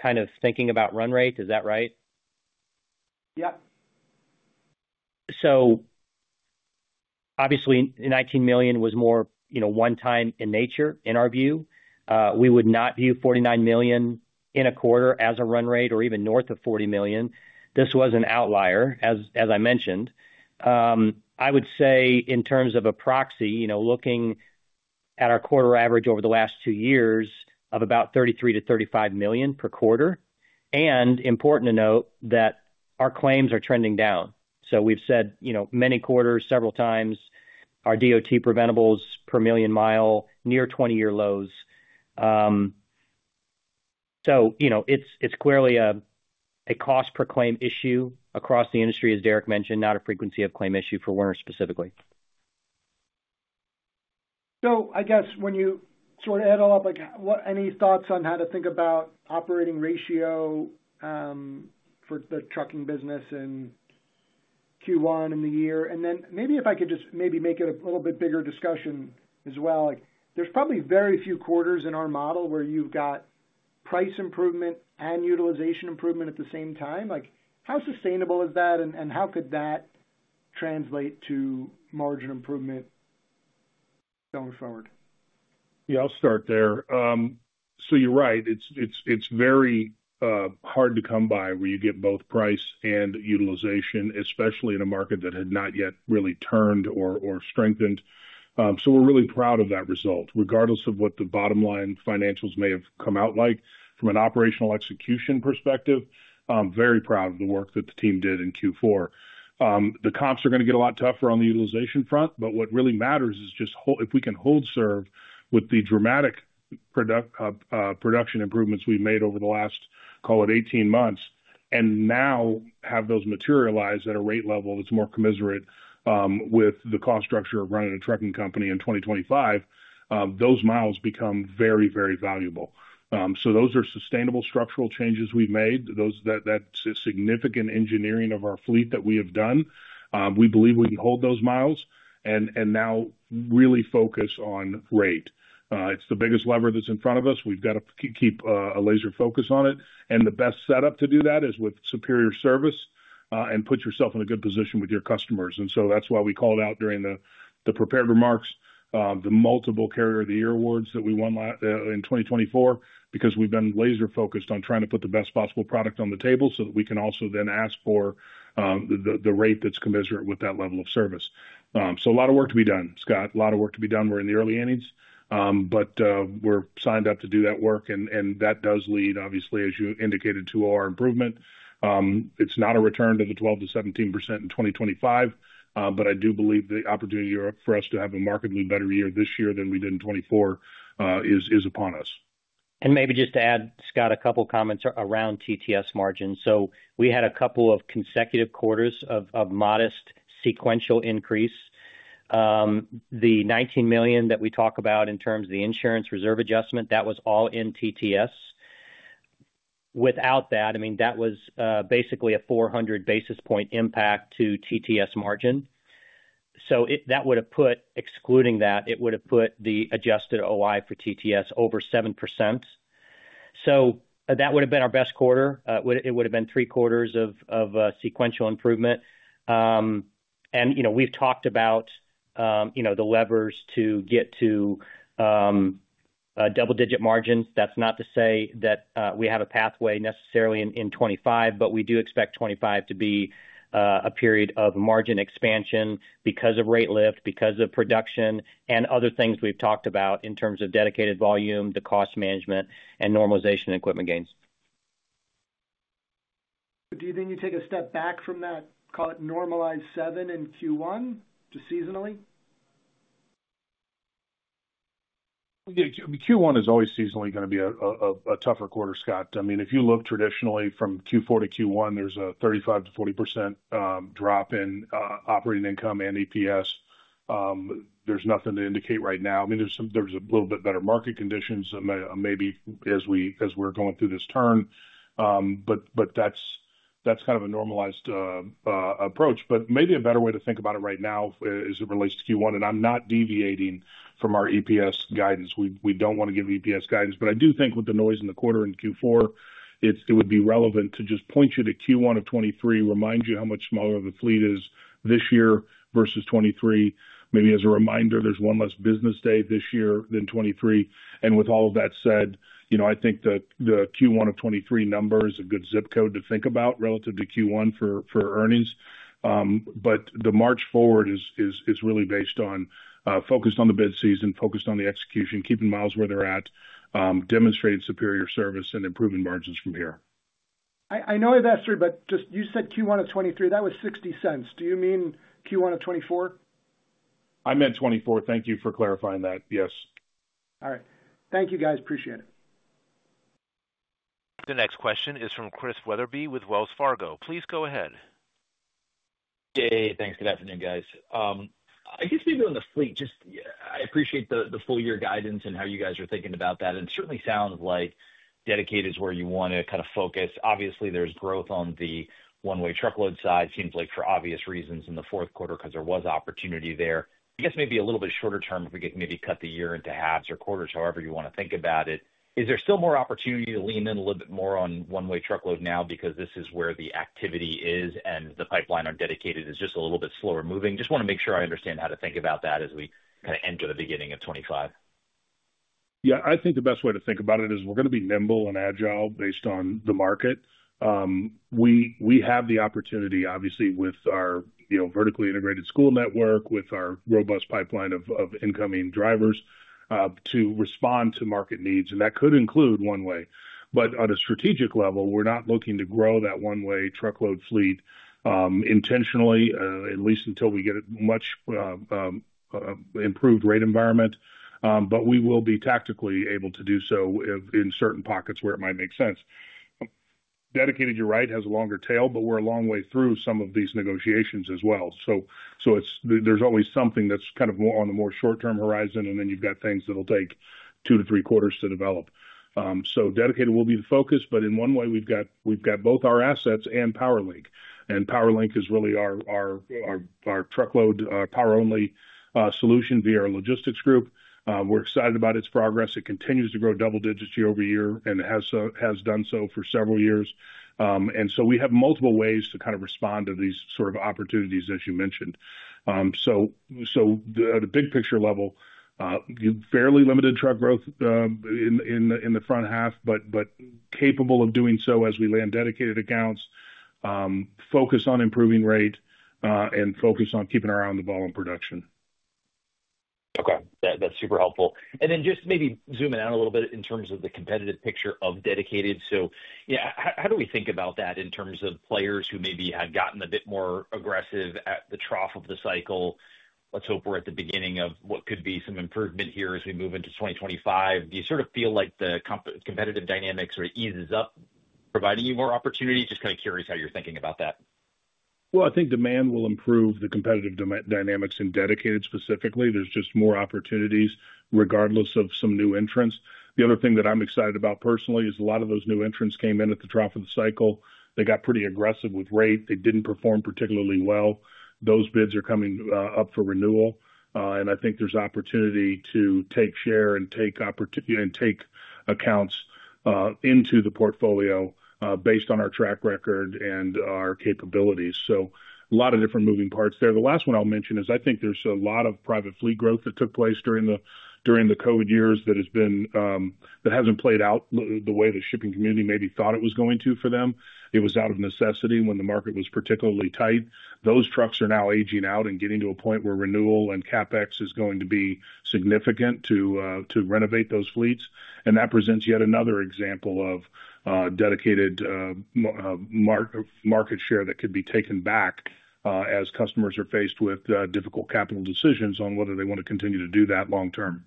Speaker 4: kind of thinking about run rate. Is that right?
Speaker 8: Yeah.
Speaker 4: So obviously, $19 million was more one-time in nature in our view. We would not view $49 million in a quarter as a run rate or even north of $40 million. This was an outlier, as I mentioned. I would say in terms of a proxy, looking at our quarter average over the last two years of about $33 million-$35 million per quarter. Important to note that our claims are trending down. We've said many quarters, several times, our DOT preventables per million miles near 20-year lows. It's clearly a cost per claim issue across the industry, as Derek mentioned, not a frequency of claim issue for Werner specifically.
Speaker 8: I guess when you sort of add all up, any thoughts on how to think about operating ratio for the trucking business in Q1 in the year? Then maybe if I could just make it a little bit bigger discussion as well. There's probably very few quarters in our model where you've got price improvement and utilization improvement at the same time. How sustainable is that, and how could that translate to margin improvement going forward?
Speaker 4: Yeah, I'll start there. So you're right. It's very hard to come by where you get both price and utilization, especially in a market that had not yet really turned or strengthened. So we're really proud of that result, regardless of what the bottom line financials may have come out like from an operational execution perspective. Very proud of the work that the team did in Q4. The comps are going to get a lot tougher on the utilization front, but what really matters is just if we can hold serve with the dramatic production improvements we've made over the last, call it 18 months, and now have those materialize at a rate level that's more commensurate with the cost structure of running a trucking company in 2025, those miles become very, very valuable. So those are sustainable structural changes we've made. That's significant engineering of our fleet that we have done. We believe we can hold those miles and now really focus on rate. It's the biggest lever that's in front of us. We've got to keep a laser focus on it. And the best setup to do that is with superior service and put yourself in a good position with your customers. And so that's why we called out during the prepared remarks the multiple Carrier of the Year awards that we won in 2024 because we've been laser-focused on trying to put the best possible product on the table so that we can also then ask for the rate that's commensurate with that level of service. So a lot of work to be done, Scott. A lot of work to be done. We're in the early 80s, but we're signed up to do that work. That does lead, obviously, as you indicated, to our improvement. It's not a return to the 12%-17% in 2025, but I do believe the opportunity for us to have a markedly better year this year than we did in 2024 is upon us.
Speaker 3: Maybe just to add, Scott, a couple of comments around TTS margins. We had a couple of consecutive quarters of modest sequential increase. The $19 million that we talk about in terms of the insurance reserve adjustment, that was all in TTS. Without that, I mean, that was basically a 400 basis point impact to TTS margin. That would have put, excluding that, the adjusted OI for TTS over 7%. That would have been our best quarter. It would have been three quarters of sequential improvement. And we've talked about the levers to get to double-digit margins. That's not to say that we have a pathway necessarily in 2025, but we do expect 2025 to be a period of margin expansion because of rate lift, because of production, and other things we've talked about in terms of dedicated volume, the cost management, and normalization equipment gains.
Speaker 8: Do you think you take a step back from that, call it normalized 7% in Q1 to seasonally?
Speaker 4: Q1 is always seasonally going to be a tougher quarter, Scott. I mean, if you look traditionally from Q4 to Q1, there's a 35%-40% drop in operating income and EPS. There's nothing to indicate right now. I mean, there's a little bit better market conditions maybe as we're going through this turn. But that's kind of a normalized approach. But maybe a better way to think about it right now as it relates to Q1, and I'm not deviating from our EPS guidance. We don't want to give EPS guidance. But I do think with the noise in the quarter in Q4, it would be relevant to just point you to Q1 of 2023, remind you how much smaller the fleet is this year versus 2023. Maybe as a reminder, there's one less business day this year than 2023. And with all of that said, I think the Q1 of 2023 number is a good zip code to think about relative to Q1 for earnings. But the path forward is really focused on the bid season, focused on the execution, keeping miles where they're at, demonstrating superior service, and improving margins from here.
Speaker 8: I know that's true, but just you said Q1 of 2023, that was $0.60. Do you mean Q1 of 2024?
Speaker 4: I meant 2024. Thank you for clarifying that. Yes.
Speaker 8: All right. Thank you, guys. Appreciate it.
Speaker 1: The next question is from Chris Wetherbee with Wells Fargo. Please go ahead.
Speaker 9: Hey, thanks. Good afternoon, guys. I guess maybe on the fleet, just I appreciate the full-year guidance and how you guys are thinking about that. And it certainly sounds like dedicated is where you want to kind of focus. Obviously, there's growth on the one-way truckload side, seems like for obvious reasons in the fourth quarter because there was opportunity there. I guess maybe a little bit shorter term if we could maybe cut the year into halves or quarters, however you want to think about it. Is there still more opportunity to lean in a little bit more on one-way truckload now because this is where the activity is and the pipeline on dedicated is just a little bit slower moving? Just want to make sure I understand how to think about that as we kind of enter the beginning of 2025.
Speaker 3: Yeah, I think the best way to think about it is we're going to be nimble and agile based on the market. We have the opportunity, obviously, with our vertically integrated school network, with our robust pipeline of incoming drivers to respond to market needs. And that could include one-way. But on a strategic level, we're not looking to grow that one-way truckload fleet intentionally, at least until we get a much improved rate environment. But we will be tactically able to do so in certain pockets where it might make sense. Dedicated, you're right, has a longer tail, but we're a long way through some of these negotiations as well. So there's always something that's kind of more on the short-term horizon, and then you've got things that'll take two to three quarters to develop. So Dedicated will be the focus. But in one-way, we've got both our assets and PowerLink. And PowerLink is really our truckload power-only solution via our logistics group. We're excited about its progress. It continues to grow double digits year-over-year and has done so for several years. And so we have multiple ways to kind of respond to these sort of opportunities, as you mentioned. So at a big picture level, fairly limited truck growth in the front half, but capable of doing so as we land dedicated accounts, focus on improving rate, and focus on keeping our eye on the ball in production.
Speaker 9: Okay. That's super helpful. And then just maybe zooming out a little bit in terms of the competitive picture of dedicated. So how do we think about that in terms of players who maybe had gotten a bit more aggressive at the trough of the cycle? Let's hope we're at the beginning of what could be some improvement here as we move into 2025. Do you sort of feel like the competitive dynamics sort of eases up, providing you more opportunity? Just kind of curious how you're thinking about that.
Speaker 3: Well, I think demand will improve the competitive dynamics in dedicated specifically. There's just more opportunities regardless of some new entrants. The other thing that I'm excited about personally is a lot of those new entrants came in at the trough of the cycle. They got pretty aggressive with rate. They didn't perform particularly well. Those bids are coming up for renewal, and I think there's opportunity to take share and take accounts into the portfolio based on our track record and our capabilities, so a lot of different moving parts there. The last one I'll mention is I think there's a lot of private fleet growth that took place during the COVID years that hasn't played out the way the shipping community maybe thought it was going to for them. It was out of necessity when the market was particularly tight. Those trucks are now aging out and getting to a point where renewal and CapEx is going to be significant to renovate those fleets. That presents yet another example of dedicated market share that could be taken back as customers are faced with difficult capital decisions on whether they want to continue to do that long term.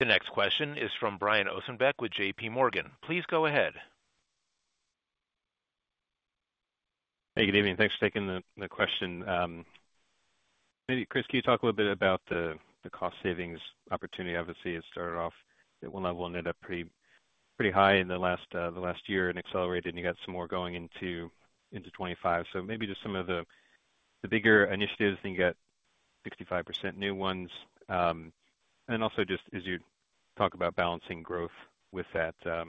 Speaker 1: The next question is from Brian Ossenbeck with J.P. Morgan. Please go ahead.
Speaker 10: Hey, good evening. Thanks for taking the question. Chris, can you talk a little bit about the cost savings opportunity? Obviously, it started off at one level and ended up pretty high in the last year and accelerated, and you got some more going into 2025. So maybe just some of the bigger initiatives that you got. 65% new ones. And then also just as you talk about balancing growth with that, how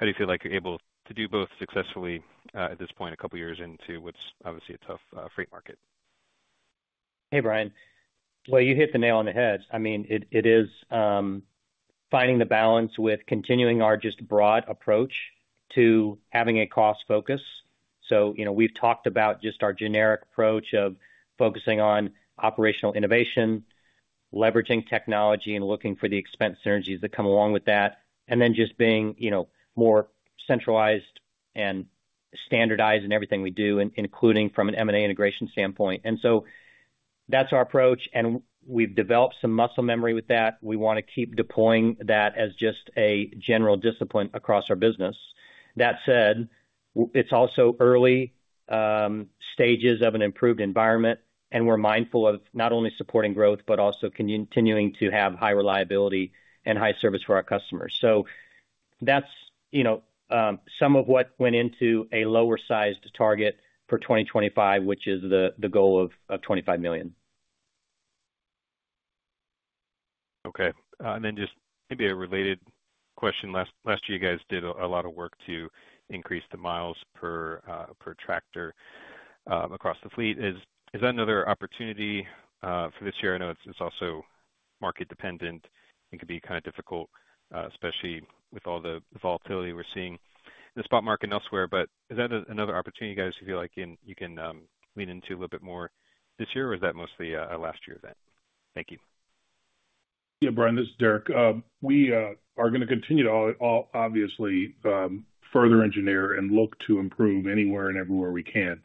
Speaker 10: do you feel like you're able to do both successfully at this point a couple of years into what's obviously a tough freight market?
Speaker 4: Hey, Brian. You hit the nail on the head. I mean, it is finding the balance with continuing our just broad approach to having a cost focus. We've talked about just our generic approach of focusing on operational innovation, leveraging technology, and looking for the expense synergies that come along with that, and then just being more centralized and standardized in everything we do, including from an M&A integration standpoint. That's our approach, and we've developed some muscle memory with that. We want to keep deploying that as just a general discipline across our business. That said, it's also early stages of an improved environment, and we're mindful of not only supporting growth, but also continuing to have high reliability and high service for our customers. That's some of what went into a lower-sized target for 2025, which is the goal of $25 million.
Speaker 10: Okay. And then, just maybe a related question. Last year, you guys did a lot of work to increase the miles per tractor across the fleet. Is that another opportunity for this year? I know it's also market-dependent and can be kind of difficult, especially with all the volatility we're seeing in the spot market elsewhere. But is that another opportunity, guys, you feel like you can lean into a little bit more this year, or is that mostly a last-year event? Thank you.
Speaker 3: Yeah, Brian, this is Derek. We are going to continue to obviously further engineer and look to improve anywhere and everywhere we can.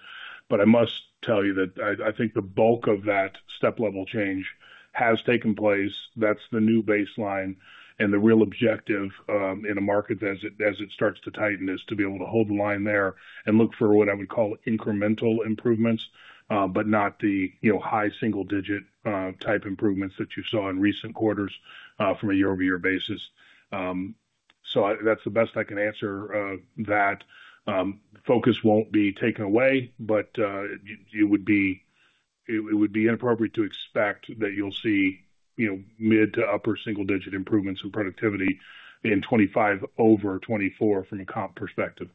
Speaker 3: But I must tell you that I think the bulk of that step-level change has taken place. That's the new baseline. And the real objective in a market as it starts to tighten is to be able to hold the line there and look for what I would call incremental improvements, but not the high single-digit type improvements that you saw in recent quarters from a year-over-year basis. So that's the best I can answer that. Focus won't be taken away, but it would be inappropriate to expect that you'll see mid to upper single-digit improvements in productivity in 2025 over 2024 from a comp perspective.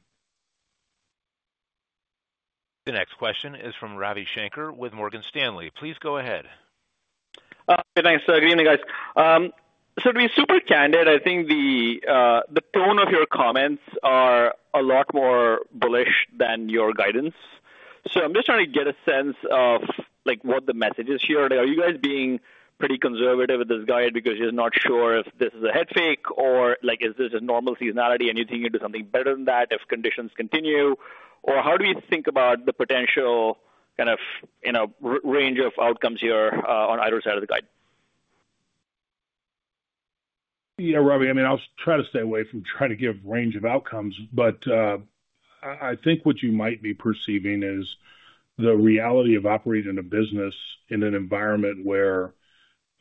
Speaker 1: The next question is from Ravi Shanker with Morgan Stanley. Please go ahead.
Speaker 11: Hey, thanks. Good evening, guys. So to be super candid, I think the tone of your comments are a lot more bullish than your guidance. So I'm just trying to get a sense of what the message is here. Are you guys being pretty conservative with this guide because you're not sure if this is a head fake or is this a normal seasonality and you're thinking to do something better than that if conditions continue? Or how do we think about the potential kind of range of outcomes here on either side of the guide?
Speaker 4: Yeah, Ravi, I mean, I'll try to stay away from trying to give a range of outcomes, but I think what you might be perceiving is the reality of operating a business in an environment where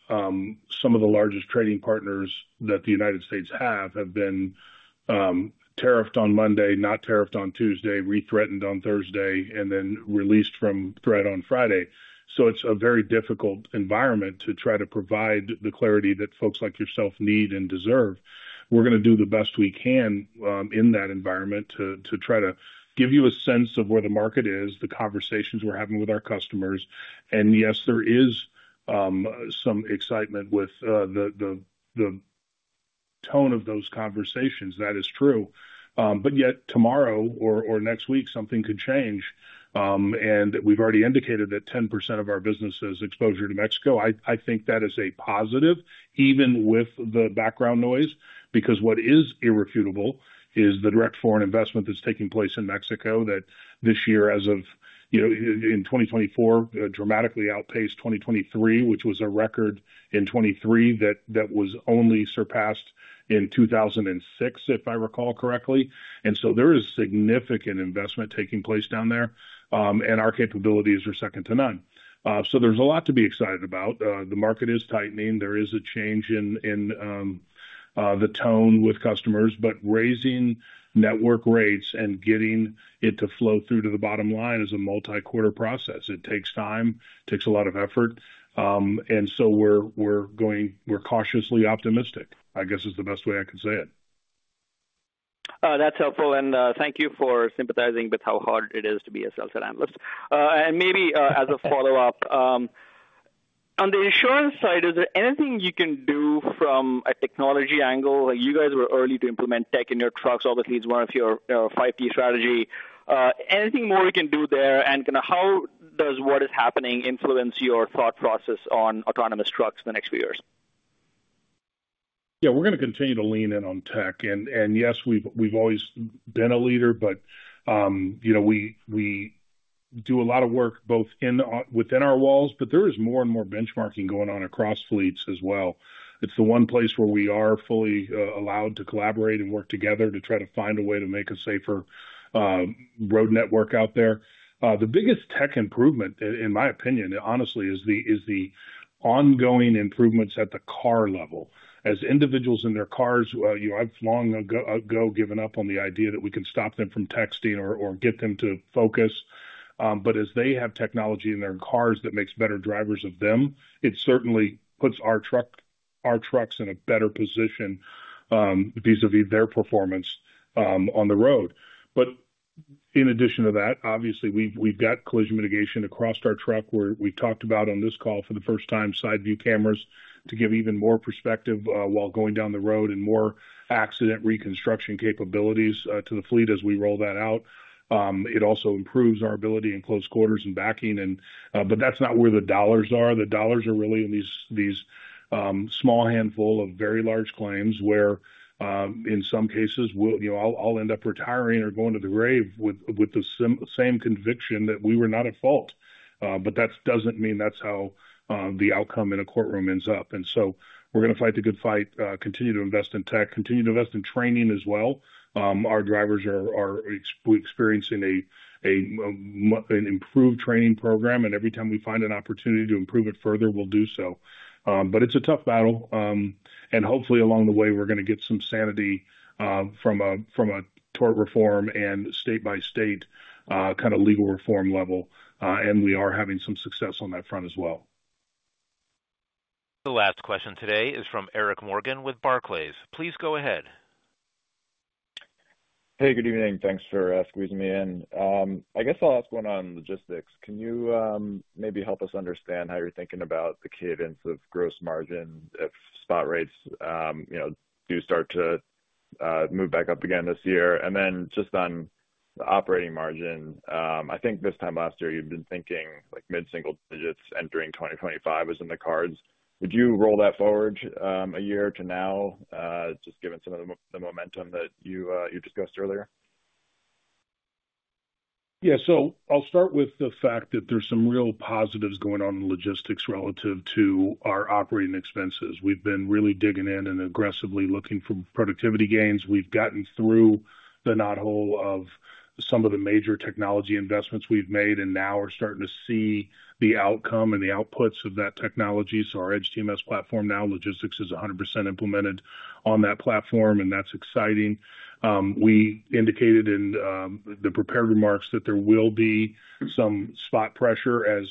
Speaker 4: some of the largest trading partners that the United States have been tariffed on Monday, not tariffed on Tuesday, rethreatened on Thursday, and then released from threat on Friday. So it's a very difficult environment to try to provide the clarity that folks like yourself need and deserve. We're going to do the best we can in that environment to try to give you a sense of where the market is, the conversations we're having with our customers. And yes, there is some excitement with the tone of those conversations. That is true. But yet tomorrow or next week, something could change. And we've already indicated that 10% of our business has exposure to Mexico. I think that is a positive, even with the background noise, because what is irrefutable is the direct foreign investment that's taking place in Mexico that this year, as of in 2024, dramatically outpaced 2023, which was a record in 2023 that was only surpassed in 2006, if I recall correctly. And so there is significant investment taking place down there. And our capabilities are second to none. So there's a lot to be excited about. The market is tightening. There is a change in the tone with customers, but raising network rates and getting it to flow through to the bottom line is a multi-quarter process. It takes time. It takes a lot of effort. And so we're cautiously optimistic, I guess is the best way I can say it.
Speaker 11: That's helpful. And thank you for sympathizing with how hard it is to be a sales analyst. And maybe as a follow-up, on the insurance side, is there anything you can do from a technology angle? You guys were early to implement tech in your trucks. Obviously, it's one of your 5 Ts strategy. Anything more we can do there? And kind of how does what is happening influence your thought process on autonomous trucks in the next few years?
Speaker 4: Yeah, we're going to continue to lean in on tech. And yes, we've always been a leader, but we do a lot of work both within our walls, but there is more and more benchmarking going on across fleets as well. It's the one place where we are fully allowed to collaborate and work together to try to find a way to make a safer road network out there. The biggest tech improvement, in my opinion, honestly, is the ongoing improvements at the car level. As individuals in their cars, I've long ago given up on the idea that we can stop them from texting or get them to focus. But as they have technology in their cars that makes better drivers of them, it certainly puts our trucks in a better position vis-à-vis their performance on the road. But in addition to that, obviously, we've got collision mitigation across our truck where we talked about on this call for the first time, side view cameras to give even more perspective while going down the road and more accident reconstruction capabilities to the fleet as we roll that out. It also improves our ability in close quarters and backing. But that's not where the dollars are. The dollars are really in these small handful of very large claims where in some cases, I'll end up retiring or going to the grave with the same conviction that we were not at fault. But that doesn't mean that's how the outcome in a courtroom ends up. And so we're going to fight the good fight, continue to invest in tech, continue to invest in training as well. Our drivers are experiencing an improved training program. And every time we find an opportunity to improve it further, we'll do so. But it's a tough battle. And hopefully, along the way, we're going to get some sanity from a tort reform and state-by-state kind of legal reform level. And we are having some success on that front as well.
Speaker 1: The last question today is from Eric Morgan with Barclays. Please go ahead.
Speaker 12: Hey, good evening. Thanks for squeezing me in. I guess I'll ask one on logistics. Can you maybe help us understand how you're thinking about the cadence of gross margin if spot rates do start to move back up again this year? And then just on the operating margin, I think this time last year, you've been thinking mid-single digits entering 2025 is in the cards. Would you roll that forward a year to now, just given some of the momentum that you discussed earlier?
Speaker 3: Yeah. So I'll start with the fact that there's some real positives going on in logistics relative to our operating expenses. We've been really digging in and aggressively looking for productivity gains. We've gotten through the knot hole of some of the major technology investments we've made, and now we're starting to see the outcome and the outputs of that technology. So our EDGE TMS platform now, logistics is 100% implemented on that platform, and that's exciting. We indicated in the prepared remarks that there will be some spot pressure as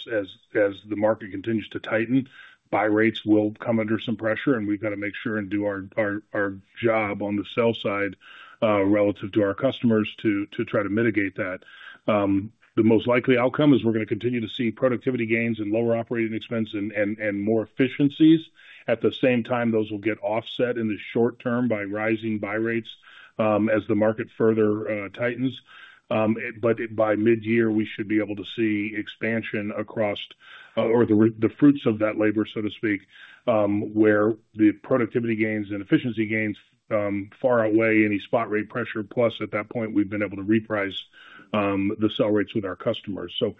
Speaker 3: the market continues to tighten. Buy rates will come under some pressure, and we've got to make sure and do our job on the sell side relative to our customers to try to mitigate that. The most likely outcome is we're going to continue to see productivity gains and lower operating expense and more efficiencies. At the same time, those will get offset in the short term by rising buy rates as the market further tightens. But by mid-year, we should be able to see expansion across or the fruits of that labor, so to speak, where the productivity gains and efficiency gains far outweigh any spot rate pressure. Plus, at that point, we've been able to reprice the sell rates with our customers. So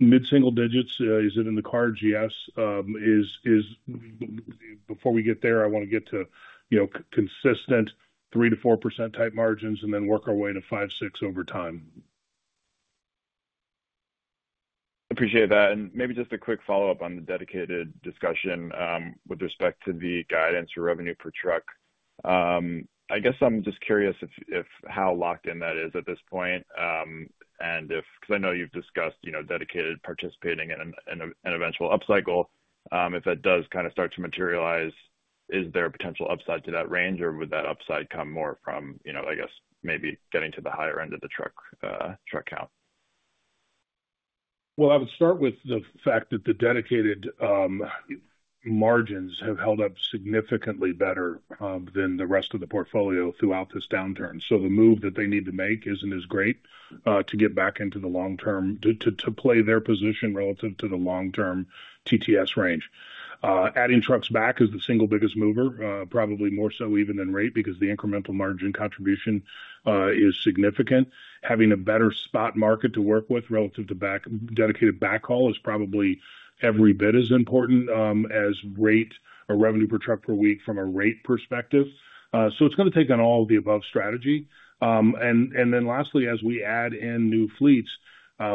Speaker 3: mid-single digits, is it in the cards? Yes. Before we get there, I want to get to consistent 3% to 4% type margins and then work our way to 5% to 6% over time.
Speaker 12: Appreciate that. And maybe just a quick follow-up on the dedicated discussion with respect to the guidance for revenue per truck. I guess I'm just curious how locked in that is at this point. Because I know you've discussed dedicated participating in an eventual upcycle. If that does kind of start to materialize, is there a potential upside to that range, or would that upside come more from, I guess, maybe getting to the higher end of the truck count?
Speaker 3: I would start with the fact that the dedicated margins have held up significantly better than the rest of the portfolio throughout this downturn. So the move that they need to make isn't as great to get back into the long-term to play their position relative to the long-term TTS range. Adding trucks back is the single biggest mover, probably more so even than rate because the incremental margin contribution is significant. Having a better spot market to work with relative to dedicated backhaul is probably every bit as important as rate or revenue per truck per week from a rate perspective. So it's going to take on all of the above strategy. And then lastly, as we add in new fleets,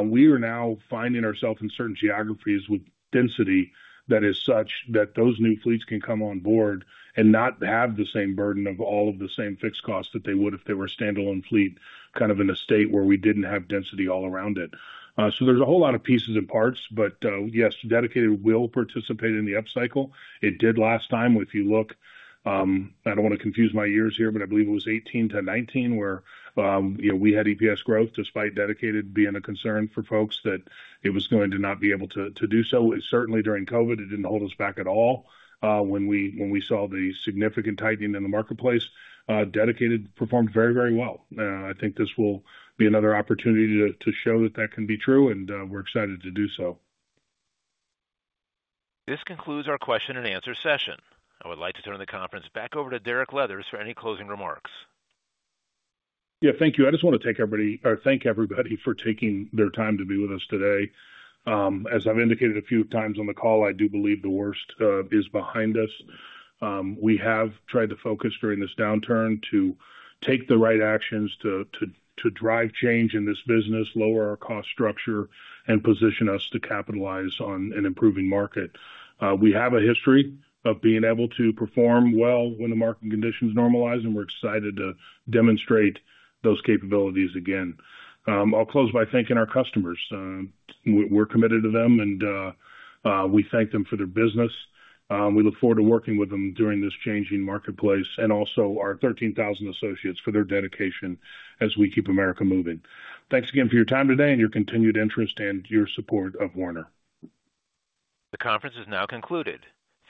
Speaker 3: we are now finding ourselves in certain geographies with density that is such that those new fleets can come on board and not have the same burden of all of the same fixed costs that they would if they were a standalone fleet kind of in a state where we didn't have density all around it. So there's a whole lot of pieces and parts, but yes, dedicated will participate in the upcycle. It did last time. If you look, I don't want to confuse my years here, but I believe it was 2018 to 2019 where we had EPS growth despite dedicated being a concern for folks that it was going to not be able to do so. Certainly, during COVID, it didn't hold us back at all when we saw the significant tightening in the marketplace. Dedicated performed very, very well. I think this will be another opportunity to show that that can be true, and we're excited to do so.
Speaker 1: This concludes our question and answer session. I would like to turn the conference back over to Derek Leathers for any closing remarks.
Speaker 3: Yeah, thank you. I just want to thank everybody for taking their time to be with us today. As I've indicated a few times on the call, I do believe the worst is behind us. We have tried to focus during this downturn to take the right actions to drive change in this business, lower our cost structure, and position us to capitalize on an improving market. We have a history of being able to perform well when the market conditions normalize, and we're excited to demonstrate those capabilities again. I'll close by thanking our customers. We're committed to them, and we thank them for their business. We look forward to working with them during this changing marketplace and also our 13,000 associates for their dedication as we keep America moving. Thanks again for your time today and your continued interest and your support of Werner.
Speaker 1: The conference is now concluded.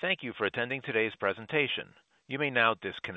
Speaker 1: Thank you for attending today's presentation. You may now disconnect.